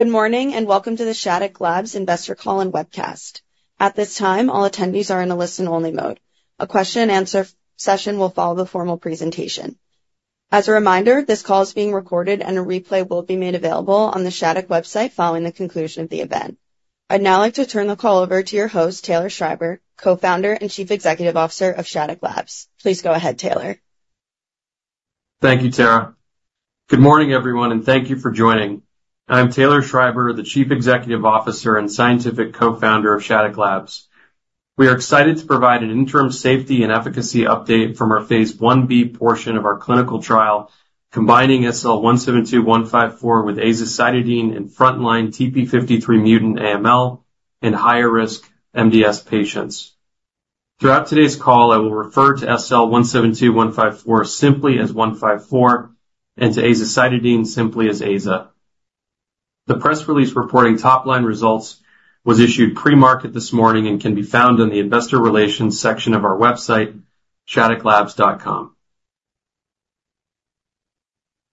Good morning and welcome to the Shattuck Labs Investor Call and Webcast. At this time, all attendees are in a listen-only mode. A question-and-answer session will follow the formal presentation. As a reminder, this call is being recorded and a replay will be made available on the Shattuck website following the conclusion of the event. I'd now like to turn the call over to your host, Taylor Schreiber, Co-founder and Chief Executive Officer of Shattuck Labs. Please go ahead, Taylor. Thank you, Tara. Good morning, everyone, and thank you for joining. I'm Taylor Schreiber, the Chief Executive Officer and Scientific Co-founder of Shattuck Labs. We are excited to provide an interim safety and efficacy update from our Phase 1B portion of our clinical trial, combining SL172154 with azacitidine in frontline TP53 mutant AML and higher-risk MDS patients. Throughout today's call, I will refer to SL172154 simply as 154 and to azacitidine simply as aza. The press release reporting top-line results was issued pre-market this morning and can be found in the Investor Relations section of our website, shattucklabs.com.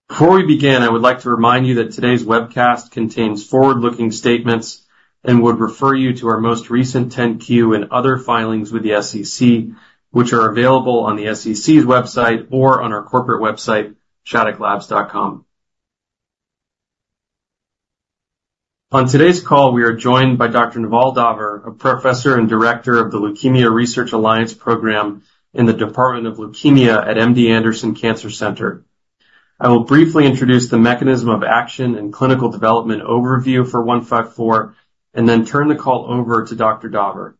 Before we begin, I would like to remind you that today's webcast contains forward-looking statements and would refer you to our most recent 10-Q and other filings with the SEC, which are available on the SEC's website or on our corporate website, shattucklabs.com. On today's call, we are joined by Dr. Naval Daver, a professor and director of the Leukemia Research Alliance Program in the Department of Leukemia at MD Anderson Cancer Center. I will briefly introduce the mechanism of action and clinical development overview for 154, and then turn the call over to Dr. Daver.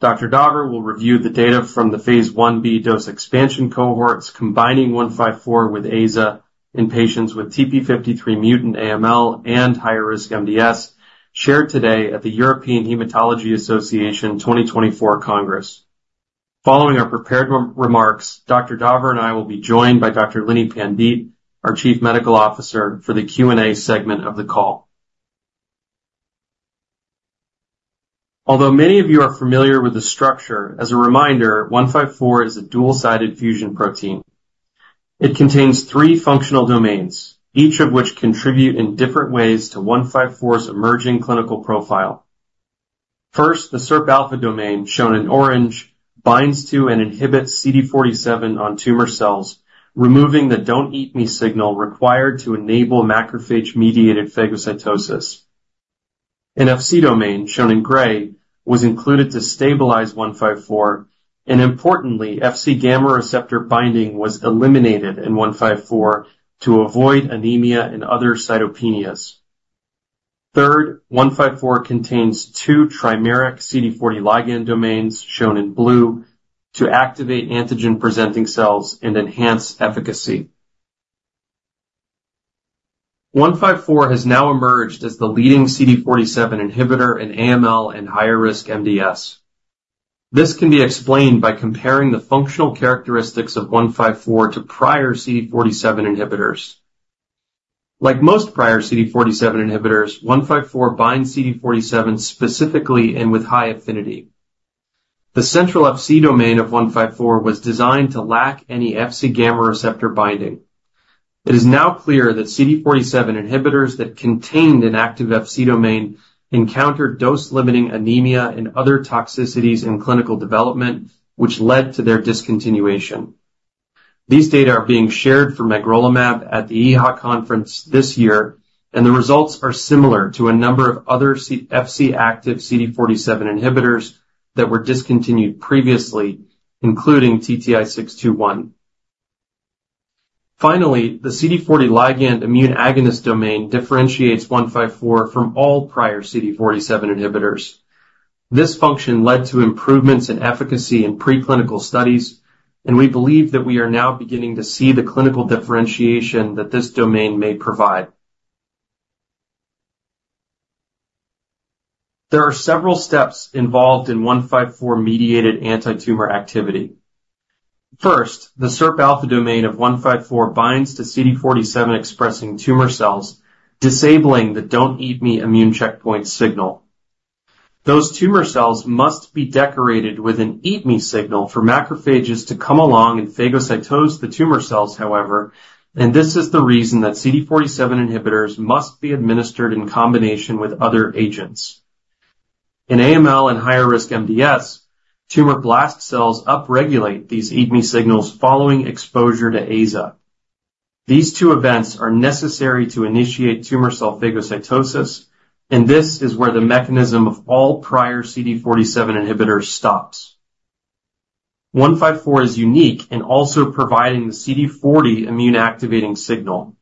Dr. Daver will review the data from the phase 1b dose expansion cohorts, combining 154 with aza, in patients with TP53 mutant AML and higher-risk MDS, shared today at the European Hematology Association 2024 Congress. Following our prepared remarks, Dr. Daver and I will be joined by Dr. Lini Pandite, our Chief Medical Officer, for the Q&A segment of the call. Although many of you are familiar with the structure, as a reminder, 154 is a dual-sided fusion protein. It contains three functional domains, each of which contribute in different ways to 154's emerging clinical profile. First, the SIRP alpha domain, shown in orange, binds to and inhibits CD47 on tumor cells, removing the don't-eat-me signal required to enable macrophage-mediated phagocytosis. An Fc domain, shown in gray, was included to stabilize 154, and importantly, Fc gamma receptor binding was eliminated in 154 to avoid anemia and other cytopenias. Third, 154 contains two trimeric CD40 ligand domains, shown in blue, to activate antigen-presenting cells and enhance efficacy. 154 has now emerged as the leading CD47 inhibitor in AML and higher-risk MDS. This can be explained by comparing the functional characteristics of 154 to prior CD47 inhibitors. Like most prior CD47 inhibitors, 154 binds CD47 specifically and with high affinity. The central Fc domain of 154 was designed to lack any Fc gamma receptor binding. It is now clear that CD47 inhibitors that contained an active Fc domain encountered dose-limiting anemia and other toxicities in clinical development, which led to their discontinuation. These data are being shared for magrolimab at the EHA conference this year, and the results are similar to a number of other Fc-active CD47 inhibitors that were discontinued previously, including TTI-621. Finally, the CD40 ligand immune agonist domain differentiates 154 from all prior CD47 inhibitors. This function led to improvements in efficacy in preclinical studies, and we believe that we are now beginning to see the clinical differentiation that this domain may provide. There are several steps involved in 154-mediated anti-tumor activity. First, the SIRP alpha domain of 154 binds to CD47-expressing tumor cells, disabling the don't-eat-me immune checkpoint signal. Those tumor cells must be decorated with an eat-me signal for macrophages to come along and phagocytose the tumor cells, however, and this is the reason that CD47 inhibitors must be administered in combination with other agents. In AML and higher-risk MDS, tumor blast cells upregulate these eat-me signals following exposure to aza. These two events are necessary to initiate tumor cell phagocytosis, and this is where the mechanism of all prior CD47 inhibitors stops. 154 is unique in also providing the CD40 immune-activating signal.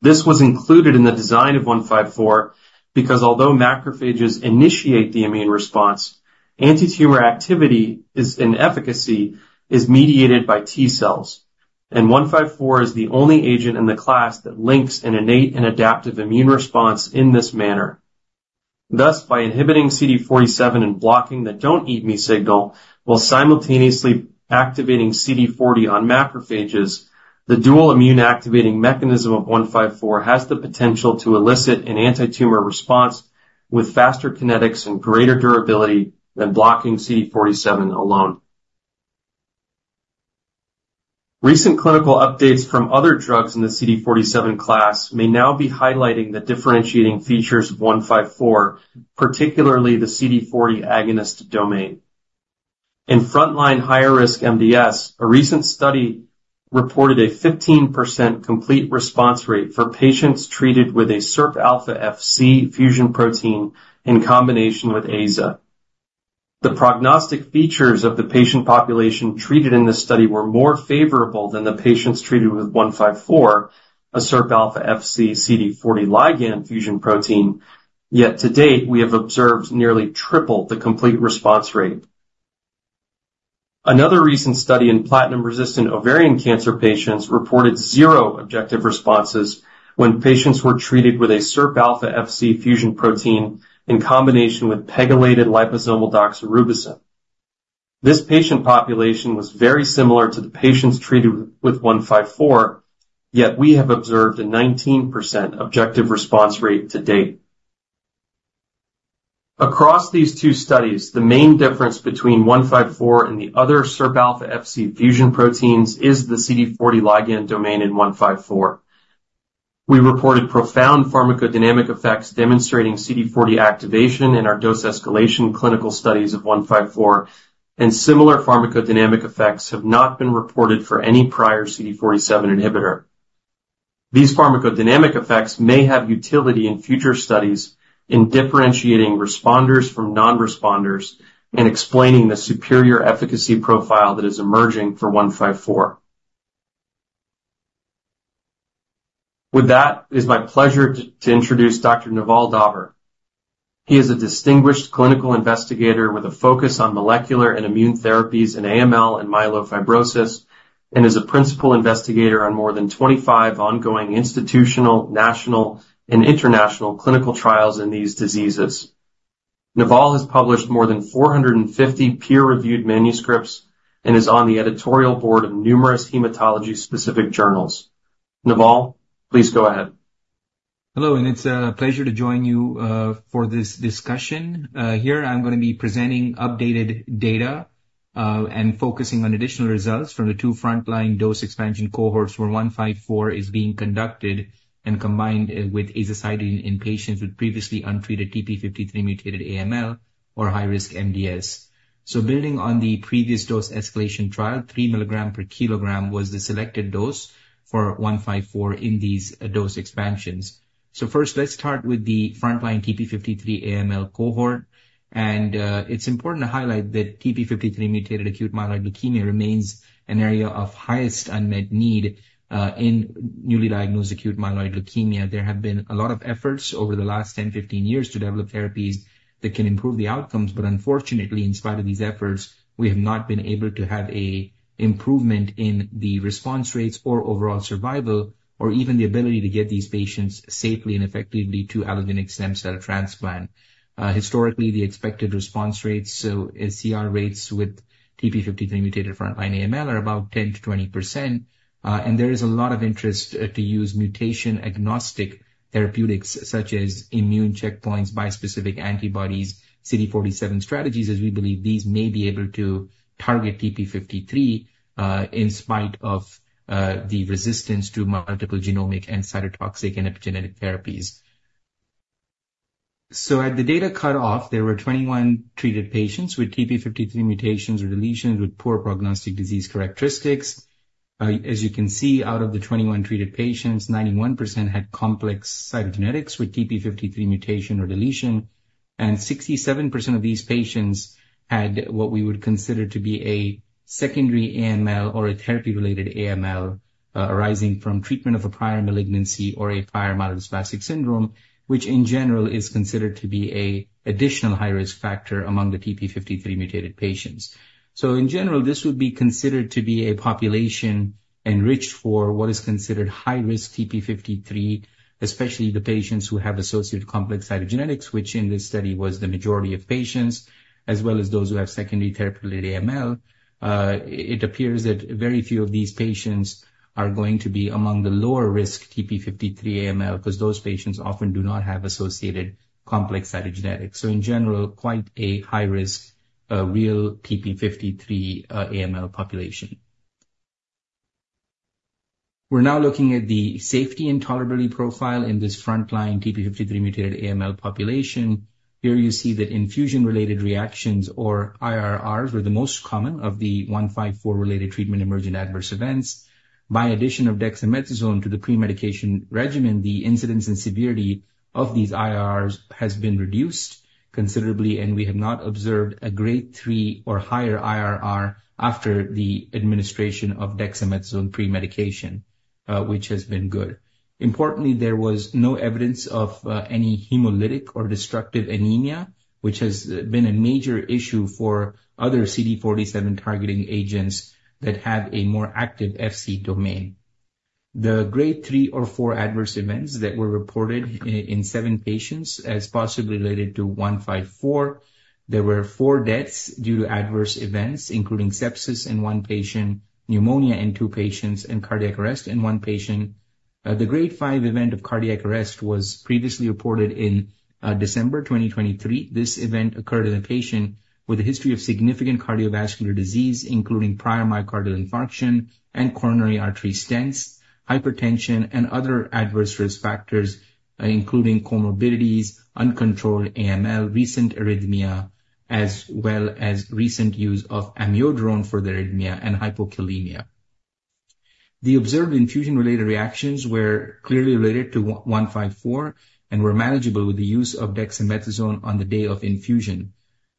This was included in the design of 154 because although macrophages initiate the immune response, anti-tumor activity and efficacy is mediated by T cells, and 154 is the only agent in the class that links an innate and adaptive immune response in this manner. Thus, by inhibiting CD47 and blocking the don't-eat-me signal while simultaneously activating CD40 on macrophages, the dual immune-activating mechanism of 154 has the potential to elicit an anti-tumor response with faster kinetics and greater durability than blocking CD47 alone. Recent clinical updates from other drugs in the CD47 class may now be highlighting the differentiating features of 154, particularly the CD40 agonist domain. In frontline higher-risk MDS, a recent study reported a 15% complete response rate for patients treated with a SIRP alpha Fc fusion protein in combination with aza. The prognostic features of the patient population treated in this study were more favorable than the patients treated with 154, a SIRP alpha Fc CD40 ligand fusion protein, yet to date we have observed nearly triple the complete response rate. Another recent study in platinum-resistant ovarian cancer patients reported zero objective responses when patients were treated with a SIRP alpha Fc fusion protein in combination with pegylated liposomal doxorubicin. This patient population was very similar to the patients treated with 154, yet we have observed a 19% objective response rate to date. Across these two studies, the main difference between 154 and the other SIRP alpha Fc fusion proteins is the CD40 ligand domain in 154. We reported profound pharmacodynamic effects demonstrating CD40 activation in our dose escalation clinical studies of 154, and similar pharmacodynamic effects have not been reported for any prior CD47 inhibitor. These pharmacodynamic effects may have utility in future studies in differentiating responders from non-responders and explaining the superior efficacy profile that is emerging for 154. With that, it is my pleasure to introduce Dr. Naval Daver. He is a distinguished clinical investigator with a focus on molecular and immune therapies in AML and myelofibrosis, and is a principal investigator on more than 25 ongoing institutional, national, and international clinical trials in these diseases. Naval has published more than 450 peer-reviewed manuscripts and is on the editorial board of numerous hematology-specific journals. Naval, please go ahead. Hello, and it's a pleasure to join you for this discussion. Here, I'm going to be presenting updated data and focusing on additional results from the two frontline dose expansion cohorts where 154 is being conducted and combined with azacitidine in patients with previously untreated TP53 mutated AML or high-risk MDS. So building on the previous dose escalation trial, 3 milligrams per kilogram was the selected dose for 154 in these dose expansions. So first, let's start with the frontline TP53 AML cohort, and it's important to highlight that TP53 mutated acute myeloid leukemia remains an area of highest unmet need in newly diagnosed acute myeloid leukemia. There have been a lot of efforts over the last 10-15 years to develop therapies that can improve the outcomes, but unfortunately, in spite of these efforts, we have not been able to have an improvement in the response rates or overall survival, or even the ability to get these patients safely and effectively to allogeneic stem cell transplant. Historically, the expected response rates, so CR rates with TP53 mutated frontline AML, are about 10%-20%, and there is a lot of interest to use mutation-agnostic therapeutics such as immune checkpoints, bispecific antibodies, CD47 strategies, as we believe these may be able to target TP53 in spite of the resistance to multiple genomic and cytotoxic and epigenetic therapies. So at the data cutoff, there were 21 treated patients with TP53 mutations or deletions with poor prognostic disease characteristics. As you can see, out of the 21 treated patients, 91% had complex cytogenetics with TP53 mutation or deletion, and 67% of these patients had what we would consider to be a secondary AML or a therapy-related AML arising from treatment of a prior malignancy or a prior myelodysplastic syndrome, which in general is considered to be an additional high-risk factor among the TP53 mutated patients. So in general, this would be considered to be a population enriched for what is considered high-risk TP53, especially the patients who have associated complex cytogenetics, which in this study was the majority of patients, as well as those who have secondary therapy-related AML. It appears that very few of these patients are going to be among the lower-risk TP53 AML because those patients often do not have associated complex cytogenetics. So in general, quite a high-risk real TP53 AML population. We're now looking at the safety and tolerability profile in this frontline TP53 mutated AML population. Here you see that infusion-related reactions, or IRRs, were the most common of the 154-related treatment emergent adverse events. By addition of dexamethasone to the pre-medication regimen, the incidence and severity of these IRRs has been reduced considerably, and we have not observed a grade 3 or higher IRR after the administration of dexamethasone pre-medication, which has been good. Importantly, there was no evidence of any hemolytic or destructive anemia, which has been a major issue for other CD47-targeting agents that have a more active Fc domain. The grade 3 or 4 adverse events that were reported in 7 patients as possibly related to 154. There were 4 deaths due to adverse events, including sepsis in 1 patient, pneumonia in 2 patients, and cardiac arrest in 1 patient. The Grade 5 event of cardiac arrest was previously reported in December 2023. This event occurred in a patient with a history of significant cardiovascular disease, including prior myocardial infarction and coronary artery stents, hypertension, and other adverse risk factors, including comorbidities, uncontrolled AML, recent arrhythmia, as well as recent use of amiodarone for the arrhythmia and hypokalemia. The observed infusion-related reactions were clearly related to 154 and were manageable with the use of dexamethasone on the day of infusion.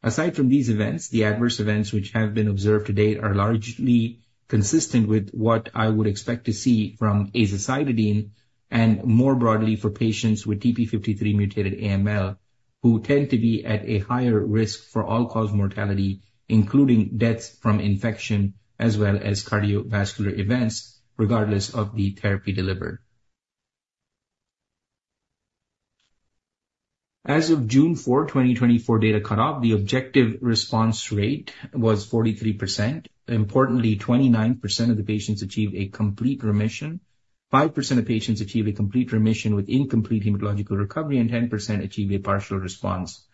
Aside from these events, the adverse events which have been observed to date are largely consistent with what I would expect to see from azacitidine and more broadly for patients with TP53 mutated AML, who tend to be at a higher risk for all-cause mortality, including deaths from infection as well as cardiovascular events, regardless of the therapy delivered. As of June 4, 2024, data cutoff, the objective response rate was 43%. Importantly, 29% of the patients achieved a complete remission, 5% of the patients achieved a complete remission with incomplete hematological recovery, and 10% achieved a partial response.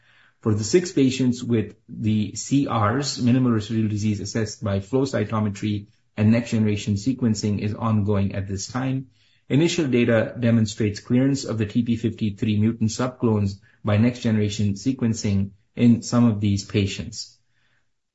For the 6 patients with the CRs, minimal residual disease assessed by flow cytometry and next-generation sequencing is ongoing at this time. Initial data demonstrates clearance of the TP53 mutant subclones by next-generation sequencing in some of these patients.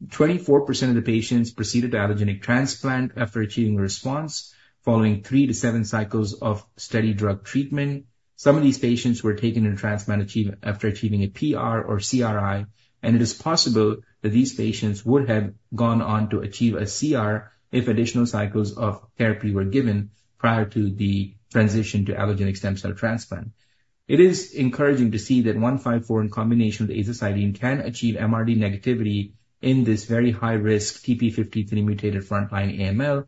24% of the patients proceeded to allogeneic transplant after achieving a response following 3-7 cycles of study drug treatment. Some of these patients were taken into transplant after achieving a PR or CRi, and it is possible that these patients would have gone on to achieve a CR if additional cycles of therapy were given prior to the transition to allogeneic stem cell transplant. It is encouraging to see that 154 in combination with azacitidine can achieve MRD negativity in this very high-risk TP53 mutated frontline AML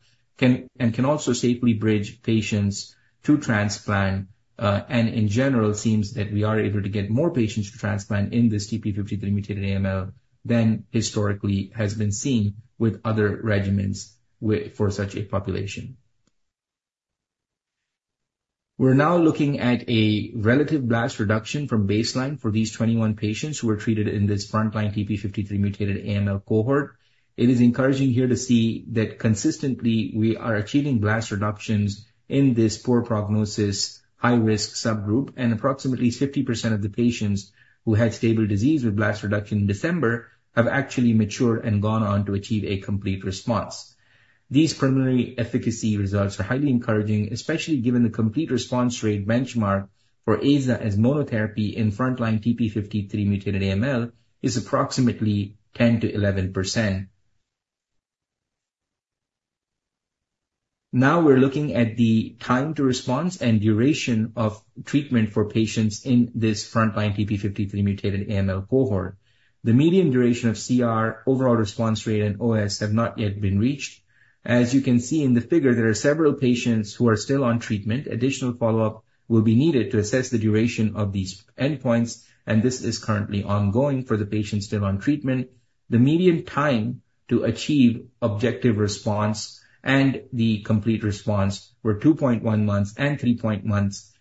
and can also safely bridge patients to transplant, and in general, seems that we are able to get more patients to transplant in this TP53 mutated AML than historically has been seen with other regimens for such a population. We're now looking at a relative blast reduction from baseline for these 21 patients who were treated in this frontline TP53 mutated AML cohort. It is encouraging here to see that consistently we are achieving blast reductions in this poor prognosis, high-risk subgroup, and approximately 50% of the patients who had stable disease with blast reduction in December have actually matured and gone on to achieve a complete response. These preliminary efficacy results are highly encouraging, especially given the complete response rate benchmark for aza as monotherapy in frontline TP53 mutated AML is approximately 10%-11%. Now we're looking at the time to response and duration of treatment for patients in this frontline TP53 mutated AML cohort. The median duration of CR, overall response rate, and OS have not yet been reached. As you can see in the figure, there are several patients who are still on treatment. Additional follow-up will be needed to assess the duration of these endpoints, and this is currently ongoing for the patients still on treatment. The median time to achieve objective response and the complete response were 2.1 months and 3.1 months,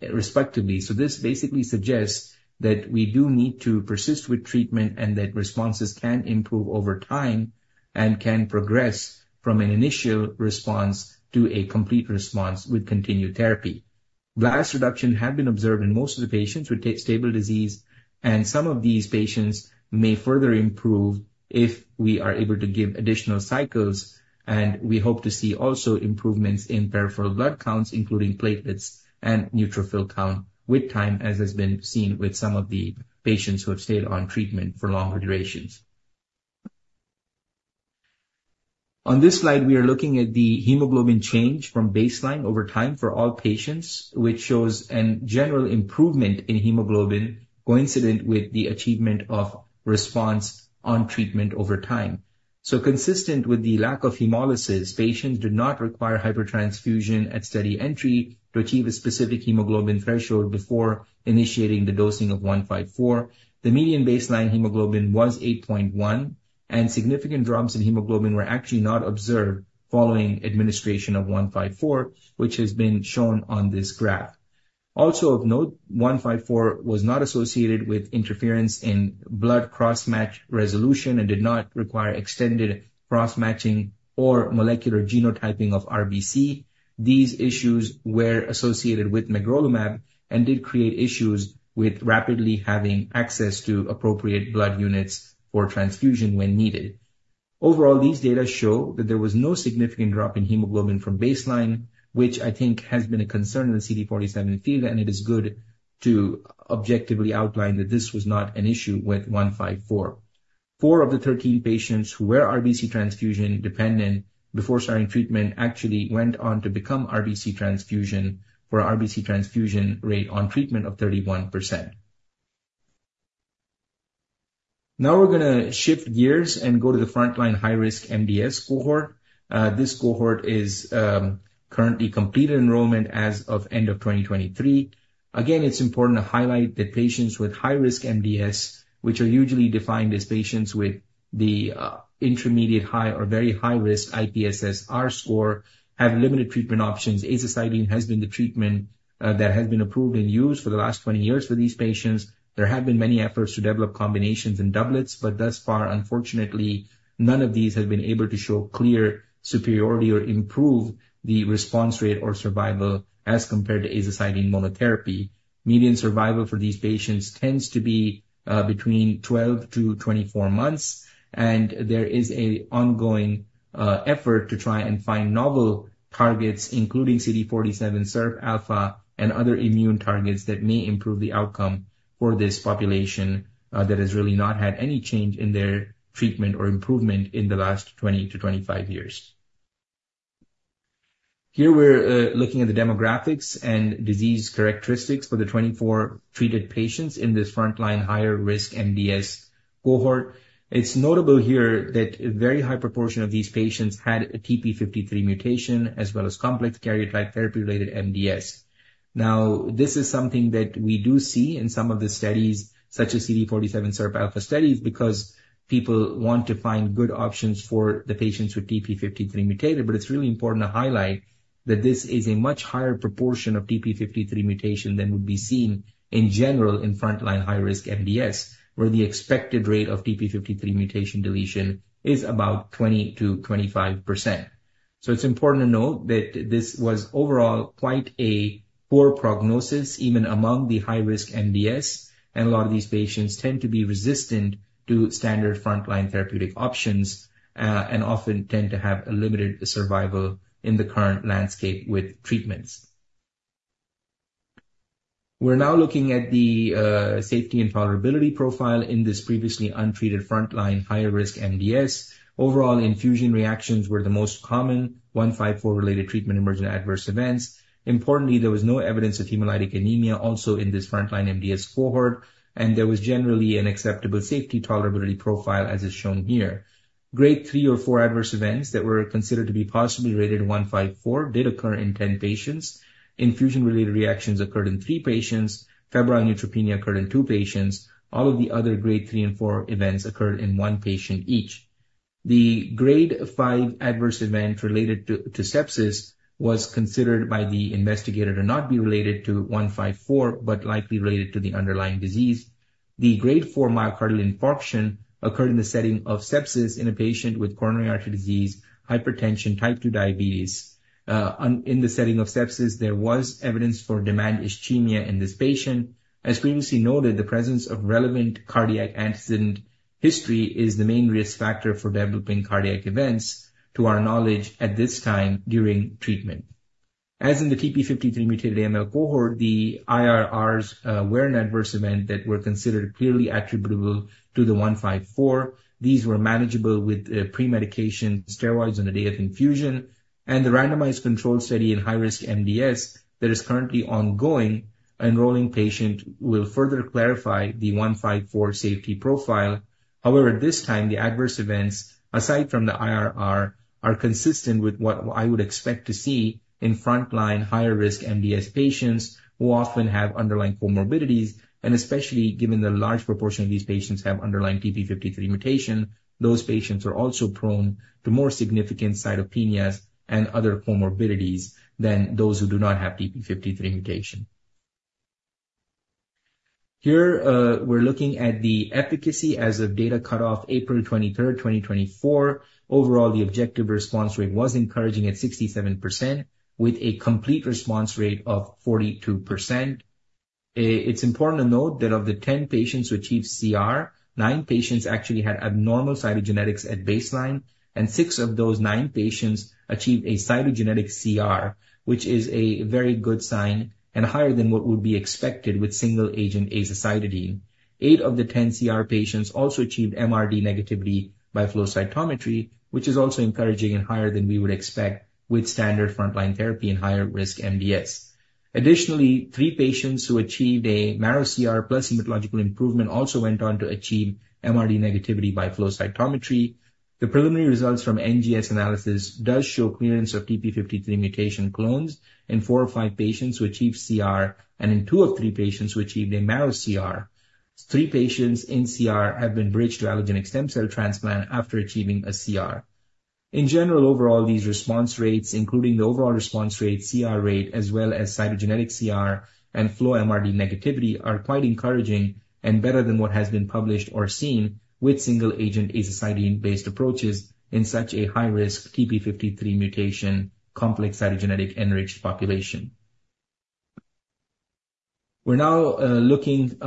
respectively. So this basically suggests that we do need to persist with treatment and that responses can improve over time and can progress from an initial response to a complete response with continued therapy. Blast reduction had been observed in most of the patients with stable disease, and some of these patients may further improve if we are able to give additional cycles, and we hope to see also improvements in peripheral blood counts, including platelets and neutrophil count with time, as has been seen with some of the patients who have stayed on treatment for longer durations. On this slide, we are looking at the hemoglobin change from baseline over time for all patients, which shows a general improvement in hemoglobin coincident with the achievement of response on treatment over time. So consistent with the lack of hemolysis, patients did not require hypertransfusion at study entry to achieve a specific hemoglobin threshold before initiating the dosing of 154. The median baseline hemoglobin was 8.1, and significant drops in hemoglobin were actually not observed following administration of 154, which has been shown on this graph. Also of note, 154 was not associated with interference in blood cross-matching resolution and did not require extended cross-matching or molecular genotyping of RBC. These issues were associated with magrolimab and did create issues with rapidly having access to appropriate blood units for transfusion when needed. Overall, these data show that there was no significant drop in hemoglobin from baseline, which I think has been a concern in the CD47 field, and it is good to objectively outline that this was not an issue with 154. Four of the 13 patients who were RBC transfusion dependent before starting treatment actually went on to become RBC transfusion independent, for an RBC transfusion independence rate on treatment of 31%. Now we're going to shift gears and go to the frontline high-risk MDS cohort. This cohort has completed enrollment as of the end of 2023. Again, it's important to highlight that patients with high-risk MDS, which are usually defined as patients with the intermediate high or very high-risk IPSS-R score, have limited treatment options. azacitidine has been the treatment that has been approved and used for the last 20 years for these patients. There have been many efforts to develop combinations and doublets, but thus far, unfortunately, none of these have been able to show clear superiority or improve the response rate or survival as compared to azacitidine monotherapy. Median survival for these patients tends to be between 12-24 months, and there is an ongoing effort to try and find novel targets, including CD47 SIRP alpha and other immune targets that may improve the outcome for this population that has really not had any change in their treatment or improvement in the last 20-25 years. Here we're looking at the demographics and disease characteristics for the 24 treated patients in this frontline higher-risk MDS cohort. It's notable here that a very high proportion of these patients had a TP53 mutation as well as complex karyotype therapy-related MDS. Now, this is something that we do see in some of the studies, such as CD47 SIRP alpha studies, because people want to find good options for the patients with TP53 mutated, but it's really important to highlight that this is a much higher proportion of TP53 mutation than would be seen in general in frontline high-risk MDS, where the expected rate of TP53 mutation deletion is about 20%-25%. So it's important to note that this was overall quite a poor prognosis, even among the high-risk MDS, and a lot of these patients tend to be resistant to standard frontline therapeutic options and often tend to have a limited survival in the current landscape with treatments. We're now looking at the safety and tolerability profile in this previously untreated frontline higher-risk MDS. Overall, infusion reactions were the most common, 154-related treatment emergent adverse events. Importantly, there was no evidence of hemolytic anemia also in this frontline MDS cohort, and there was generally an acceptable safety and tolerability profile, as is shown here. Grade 3 or 4 adverse events that were considered to be possibly related to 154 did occur in 10 patients. Infusion-related reactions occurred in 3 patients. Febrile neutropenia occurred in 2 patients. All of the other grade 3 and 4 events occurred in 1 patient each. The grade 5 adverse event related to sepsis was considered by the investigator to not be related to 154, but likely related to the underlying disease. The grade 4 myocardial infarction occurred in the setting of sepsis in a patient with coronary artery disease, hypertension, type 2 diabetes. In the setting of sepsis, there was evidence for demand ischemia in this patient. As previously noted, the presence of relevant cardiac antecedent history is the main risk factor for developing cardiac events, to our knowledge, at this time during treatment. As in the TP53 mutated AML cohort, the IRRs were an adverse event that were considered clearly attributable to the 154. These were manageable with pre-medication steroids on the day of infusion, and the randomized control study in high-risk MDS that is currently ongoing enrolling patient will further clarify the 154 safety profile. However, this time, the adverse events, aside from the IRR, are consistent with what I would expect to see in frontline higher-risk MDS patients who often have underlying comorbidities, and especially given the large proportion of these patients have underlying TP53 mutation. Those patients are also prone to more significant cytopenias and other comorbidities than those who do not have TP53 mutation. Here we're looking at the efficacy as of data cutoff, April 23rd, 2024. Overall, the objective response rate was encouraging at 67%, with a complete response rate of 42%. It's important to note that of the 10 patients who achieved CR, 9 patients actually had abnormal cytogenetics at baseline, and 6 of those 9 patients achieved a cytogenetic CR, which is a very good sign and higher than what would be expected with single-agent azacitidine. 8 of the 10 CR patients also achieved MRD negativity by flow cytometry, which is also encouraging and higher than we would expect with standard frontline therapy in higher-risk MDS. Additionally, 3 patients who achieved a marrow CR plus hematological improvement also went on to achieve MRD negativity by flow cytometry. The preliminary results from NGS analysis do show clearance of TP53 mutation clones in 4 of 5 patients who achieved CR, and in 2 of 3 patients who achieved a marrow CR. 3 patients in CR have been bridged to allogeneic stem cell transplant after achieving a CR. In general, overall, these response rates, including the overall response rate, CR rate, as well as cytogenetic CR and flow MRD negativity, are quite encouraging and better than what has been published or seen with single-agent azacitidine-based approaches in such a high-risk TP53 mutation complex cytogenetic enriched population. We're now looking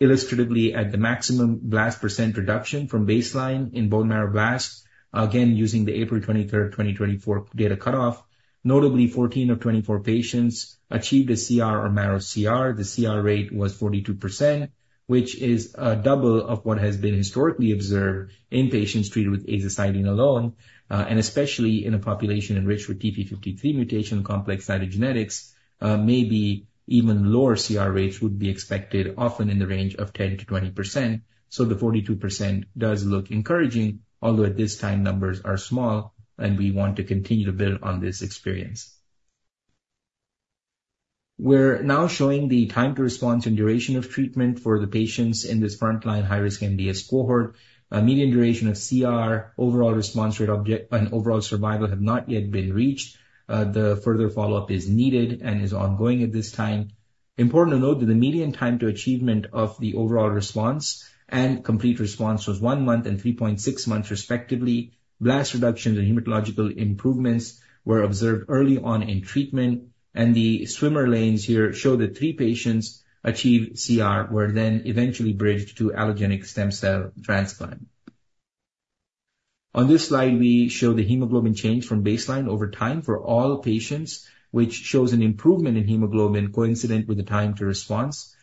illustratively at the maximum blast percent reduction from baseline in bone marrow blast, again using the April 23rd, 2024 data cutoff. Notably, 14 of 24 patients achieved a CR or marrow CR. The CR rate was 42%, which is a double of what has been historically observed in patients treated with azacitidine alone, and especially in a population enriched with TP53 mutation complex cytogenetics. Maybe even lower CR rates would be expected often in the range of 10%-20%. So the 42% does look encouraging, although at this time numbers are small, and we want to continue to build on this experience. We're now showing the time to response and duration of treatment for the patients in this frontline high-risk MDS cohort. Median duration of CR, overall response rate, and overall survival have not yet been reached. The further follow-up is needed and is ongoing at this time. Important to note that the median time to achievement of the overall response and complete response was one month and 3.6 months, respectively. Blast reductions and hematological improvements were observed early on in treatment, and the swim lanes here show that three patients achieved CR were then eventually bridged to allogeneic stem cell transplant. On this slide, we show the hemoglobin change from baseline over time for all patients, which shows an improvement in hemoglobin coincident with the time to response.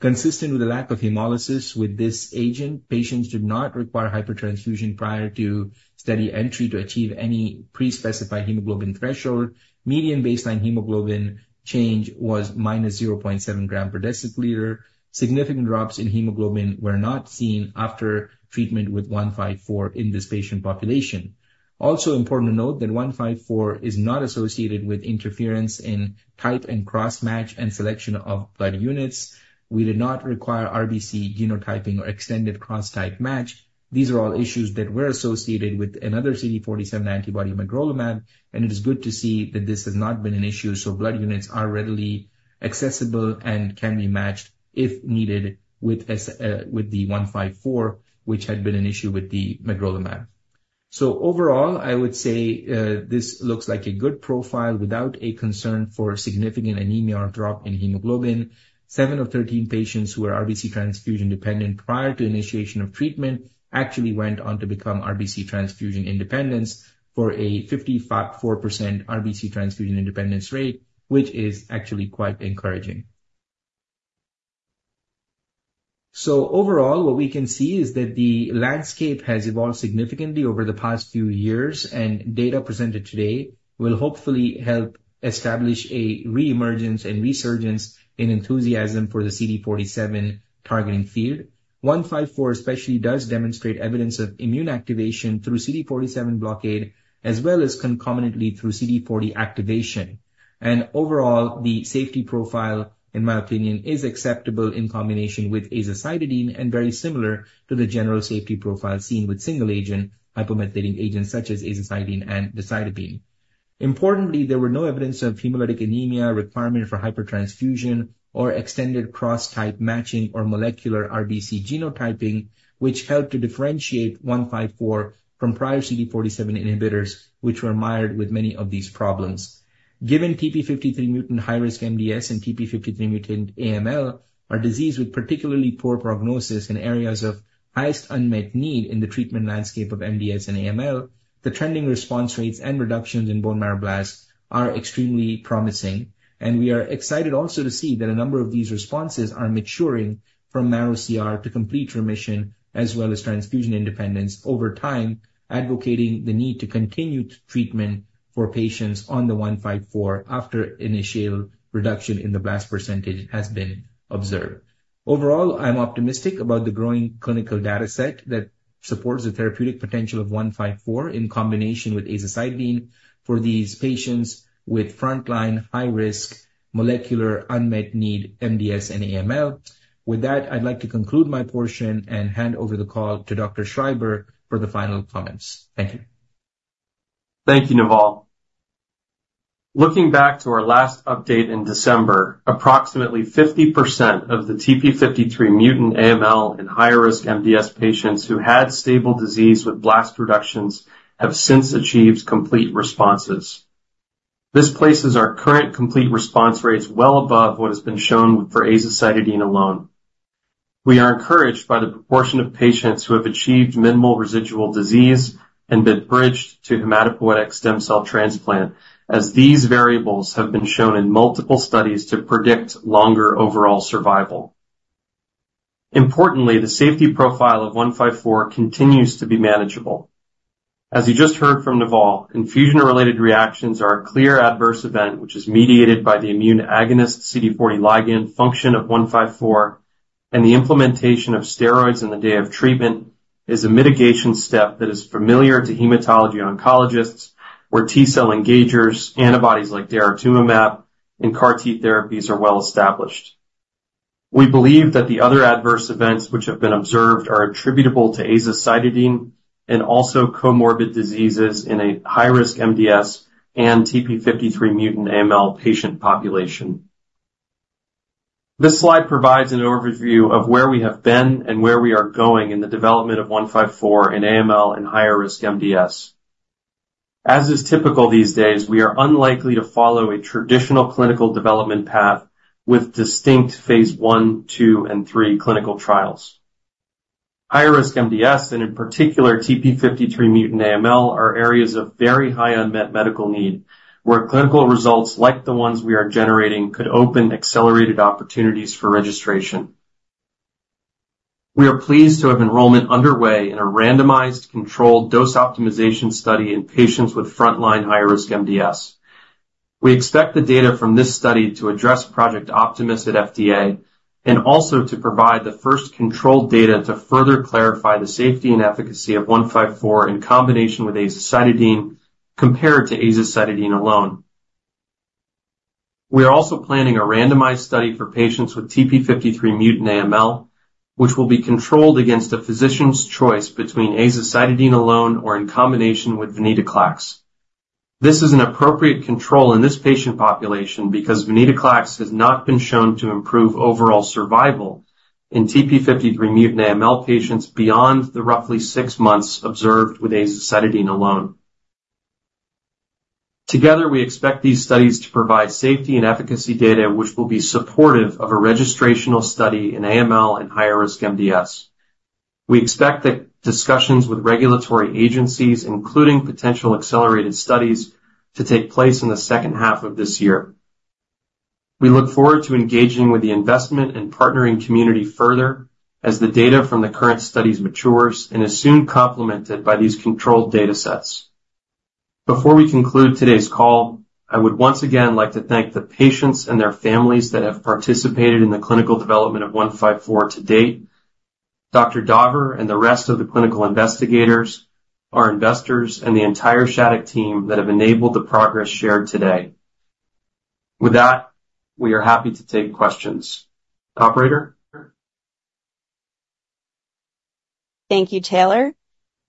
Consistent with the lack of hemolysis with this agent, patients did not require hypertransfusion prior to study entry to achieve any pre-specified hemoglobin threshold. Median baseline hemoglobin change was minus 0.7 gram per deciliter. Significant drops in hemoglobin were not seen after treatment with 154 in this patient population. Also important to note that 154 is not associated with interference in type and cross-match and selection of blood units. We did not require RBC genotyping or extended cross-type match. These are all issues that were associated with another CD47 antibody magrolimab, and it is good to see that this has not been an issue. So blood units are readily accessible and can be matched if needed with the 154, which had been an issue with the magrolimab. So overall, I would say this looks like a good profile without a concern for significant anemia or drop in hemoglobin. Seven of 13 patients who were RBC transfusion dependent prior to initiation of treatment actually went on to become RBC transfusion independence for a 54% RBC transfusion independence rate, which is actually quite encouraging. So overall, what we can see is that the landscape has evolved significantly over the past few years, and data presented today will hopefully help establish a reemergence and resurgence in enthusiasm for the CD47 targeting field. 154 especially does demonstrate evidence of immune activation through CD47 blockade, as well as concomitantly through CD40 activation. Overall, the safety profile, in my opinion, is acceptable in combination with azacitidine and very similar to the general safety profile seen with single-agent hypomethylating agents such as azacitidine and decitabine. Importantly, there were no evidence of hemolytic anemia requirement for hypertransfusion or extended cross-type matching or molecular RBC genotyping, which helped to differentiate 154 from prior CD47 inhibitors, which were mired with many of these problems. Given TP53 mutant high-risk MDS and TP53 mutant AML are diseases with particularly poor prognosis in areas of highest unmet need in the treatment landscape of MDS and AML, the trending response rates and reductions in bone marrow blasts are extremely promising, and we are excited also to see that a number of these responses are maturing from marrow CR to complete remission, as well as transfusion independence over time, advocating the need to continue treatment for patients on the 154 after initial reduction in the blast percentage has been observed. Overall, I'm optimistic about the growing clinical data set that supports the therapeutic potential of 154 in combination with azacitidine for these patients with frontline high-risk molecular unmet need MDS and AML. With that, I'd like to conclude my portion and hand over the call to Dr. Schreiber for the final comments. Thank you. Thank you, Naval. Looking back to our last update in December, approximately 50% of the TP53 mutant AML and higher-risk MDS patients who had stable disease with blast reductions have since achieved complete responses. This places our current complete response rates well above what has been shown for azacitidine alone. We are encouraged by the proportion of patients who have achieved minimal residual disease and been bridged to hematopoietic stem cell transplant, as these variables have been shown in multiple studies to predict longer overall survival. Importantly, the safety profile of 154 continues to be manageable. As you just heard from Naval, infusion-related reactions are a clear adverse event, which is mediated by the immune agonist CD40 ligand function of 154, and the implementation of steroids on the day of treatment is a mitigation step that is familiar to hematology oncologists, where T cell engagers, antibodies like daratumumab, and CAR T therapies are well established. We believe that the other adverse events which have been observed are attributable to azacitidine and also comorbid diseases in a high-risk MDS and TP53 mutant AML patient population. This slide provides an overview of where we have been and where we are going in the development of 154 in AML and higher-risk MDS. As is typical these days, we are unlikely to follow a traditional clinical development path with distinct phase 1, 2, and 3 clinical trials. Higher-risk MDS, and in particular TP53 mutant AML, are areas of very high unmet medical need, where clinical results like the ones we are generating could open accelerated opportunities for registration. We are pleased to have enrollment underway in a randomized controlled dose optimization study in patients with frontline high-risk MDS. We expect the data from this study to address Project Optimus at FDA and also to provide the first controlled data to further clarify the safety and efficacy of 154 in combination with azacitidine compared to azacitidine alone. We are also planning a randomized study for patients with TP53 mutant AML, which will be controlled against a physician's choice between azacitidine alone or in combination with venetoclax. This is an appropriate control in this patient population because venetoclax has not been shown to improve overall survival in TP53 mutant AML patients beyond the roughly six months observed with azacitidine alone. Together, we expect these studies to provide safety and efficacy data, which will be supportive of a registrational study in AML and higher-risk MDS. We expect that discussions with regulatory agencies, including potential accelerated studies, to take place in the second half of this year. We look forward to engaging with the investment and partnering community further as the data from the current studies matures and is soon complemented by these controlled data sets. Before we conclude today's call, I would once again like to thank the patients and their families that have participated in the clinical development of 154 to date, Dr. Daver, and the rest of the clinical investigators, our investors, and the entire Shattuck team that have enabled the progress shared today. With that, we are happy to take questions. Operator? Thank you, Taylor.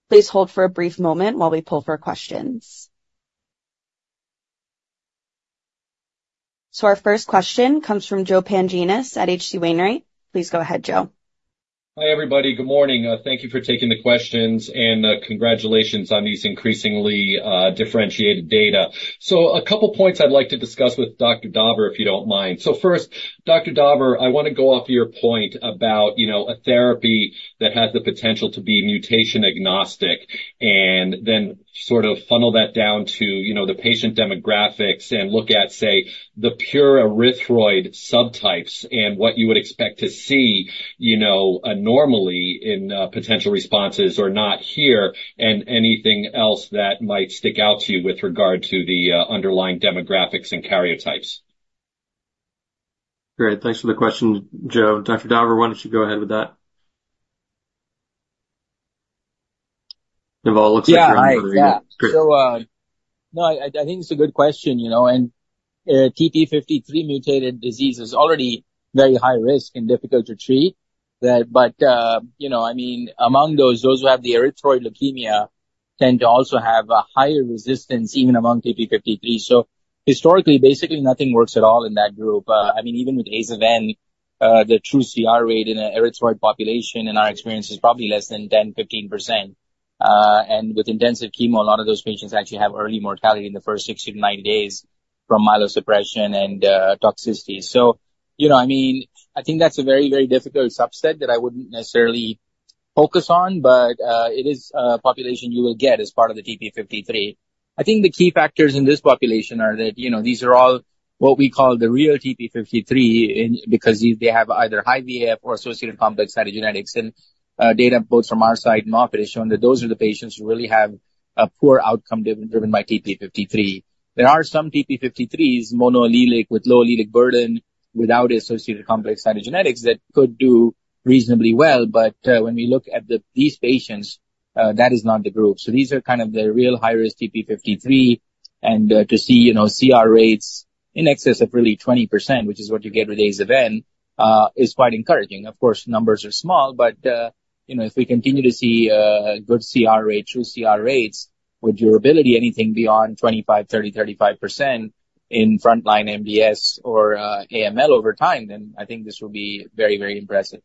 Please hold for a brief moment while we pull for questions. So our first question comes from Joe Pantginis at H.C. Wainwright. Please go ahead, Joe. Hi everybody. Good morning. Thank you for taking the questions and congratulations on these increasingly differentiated data. So a couple of points I'd like to discuss with Dr. Daver, if you don't mind. So first, Dr. Daver, I want to go off your point about a therapy that has the potential to be mutation agnostic and then sort of funnel that down to the patient demographics and look at, say, the pure erythroid subtypes and what you would expect to see normally in potential responses or not here and anything else that might stick out to you with regard to the underlying demographics and karyotypes. Great. Thanks for the question, Joe. Dr. Daver, why don't you go ahead with that? Naval, looks like you're in for a really good. Yeah. So no, I think it's a good question. And TP53 mutated disease is already very high risk and difficult to treat. But I mean, among those, those who have the erythroid leukemia tend to also have a higher resistance even among TP53. So historically, basically nothing works at all in that group. I mean, even with Aza-Ven, the true CR rate in an erythroid population in our experience is probably less than 10%-15%. And with intensive chemo, a lot of those patients actually have early mortality in the first 60-90 days from myelosuppression and toxicity. So I mean, I think that's a very, very difficult subset that I wouldn't necessarily focus on, but it is a population you will get as part of the TP53. I think the key factors in this population are that these are all what we call the real TP53 because they have either high VAF or associated complex cytogenetics. And data both from our side and Moffitt has shown that those are the patients who really have a poor outcome driven by TP53. There are some TP53s monoallelic with low allelic burden without associated complex cytogenetics that could do reasonably well. But when we look at these patients, that is not the group. So these are kind of the real high-risk TP53. And to see CR rates in excess of really 20%, which is what you get with Aza-Ven, is quite encouraging. Of course, numbers are small, but if we continue to see good CR rates, true CR rates with durability, anything beyond 25%, 30%, 35% in frontline MDS or AML over time, then I think this will be very, very impressive.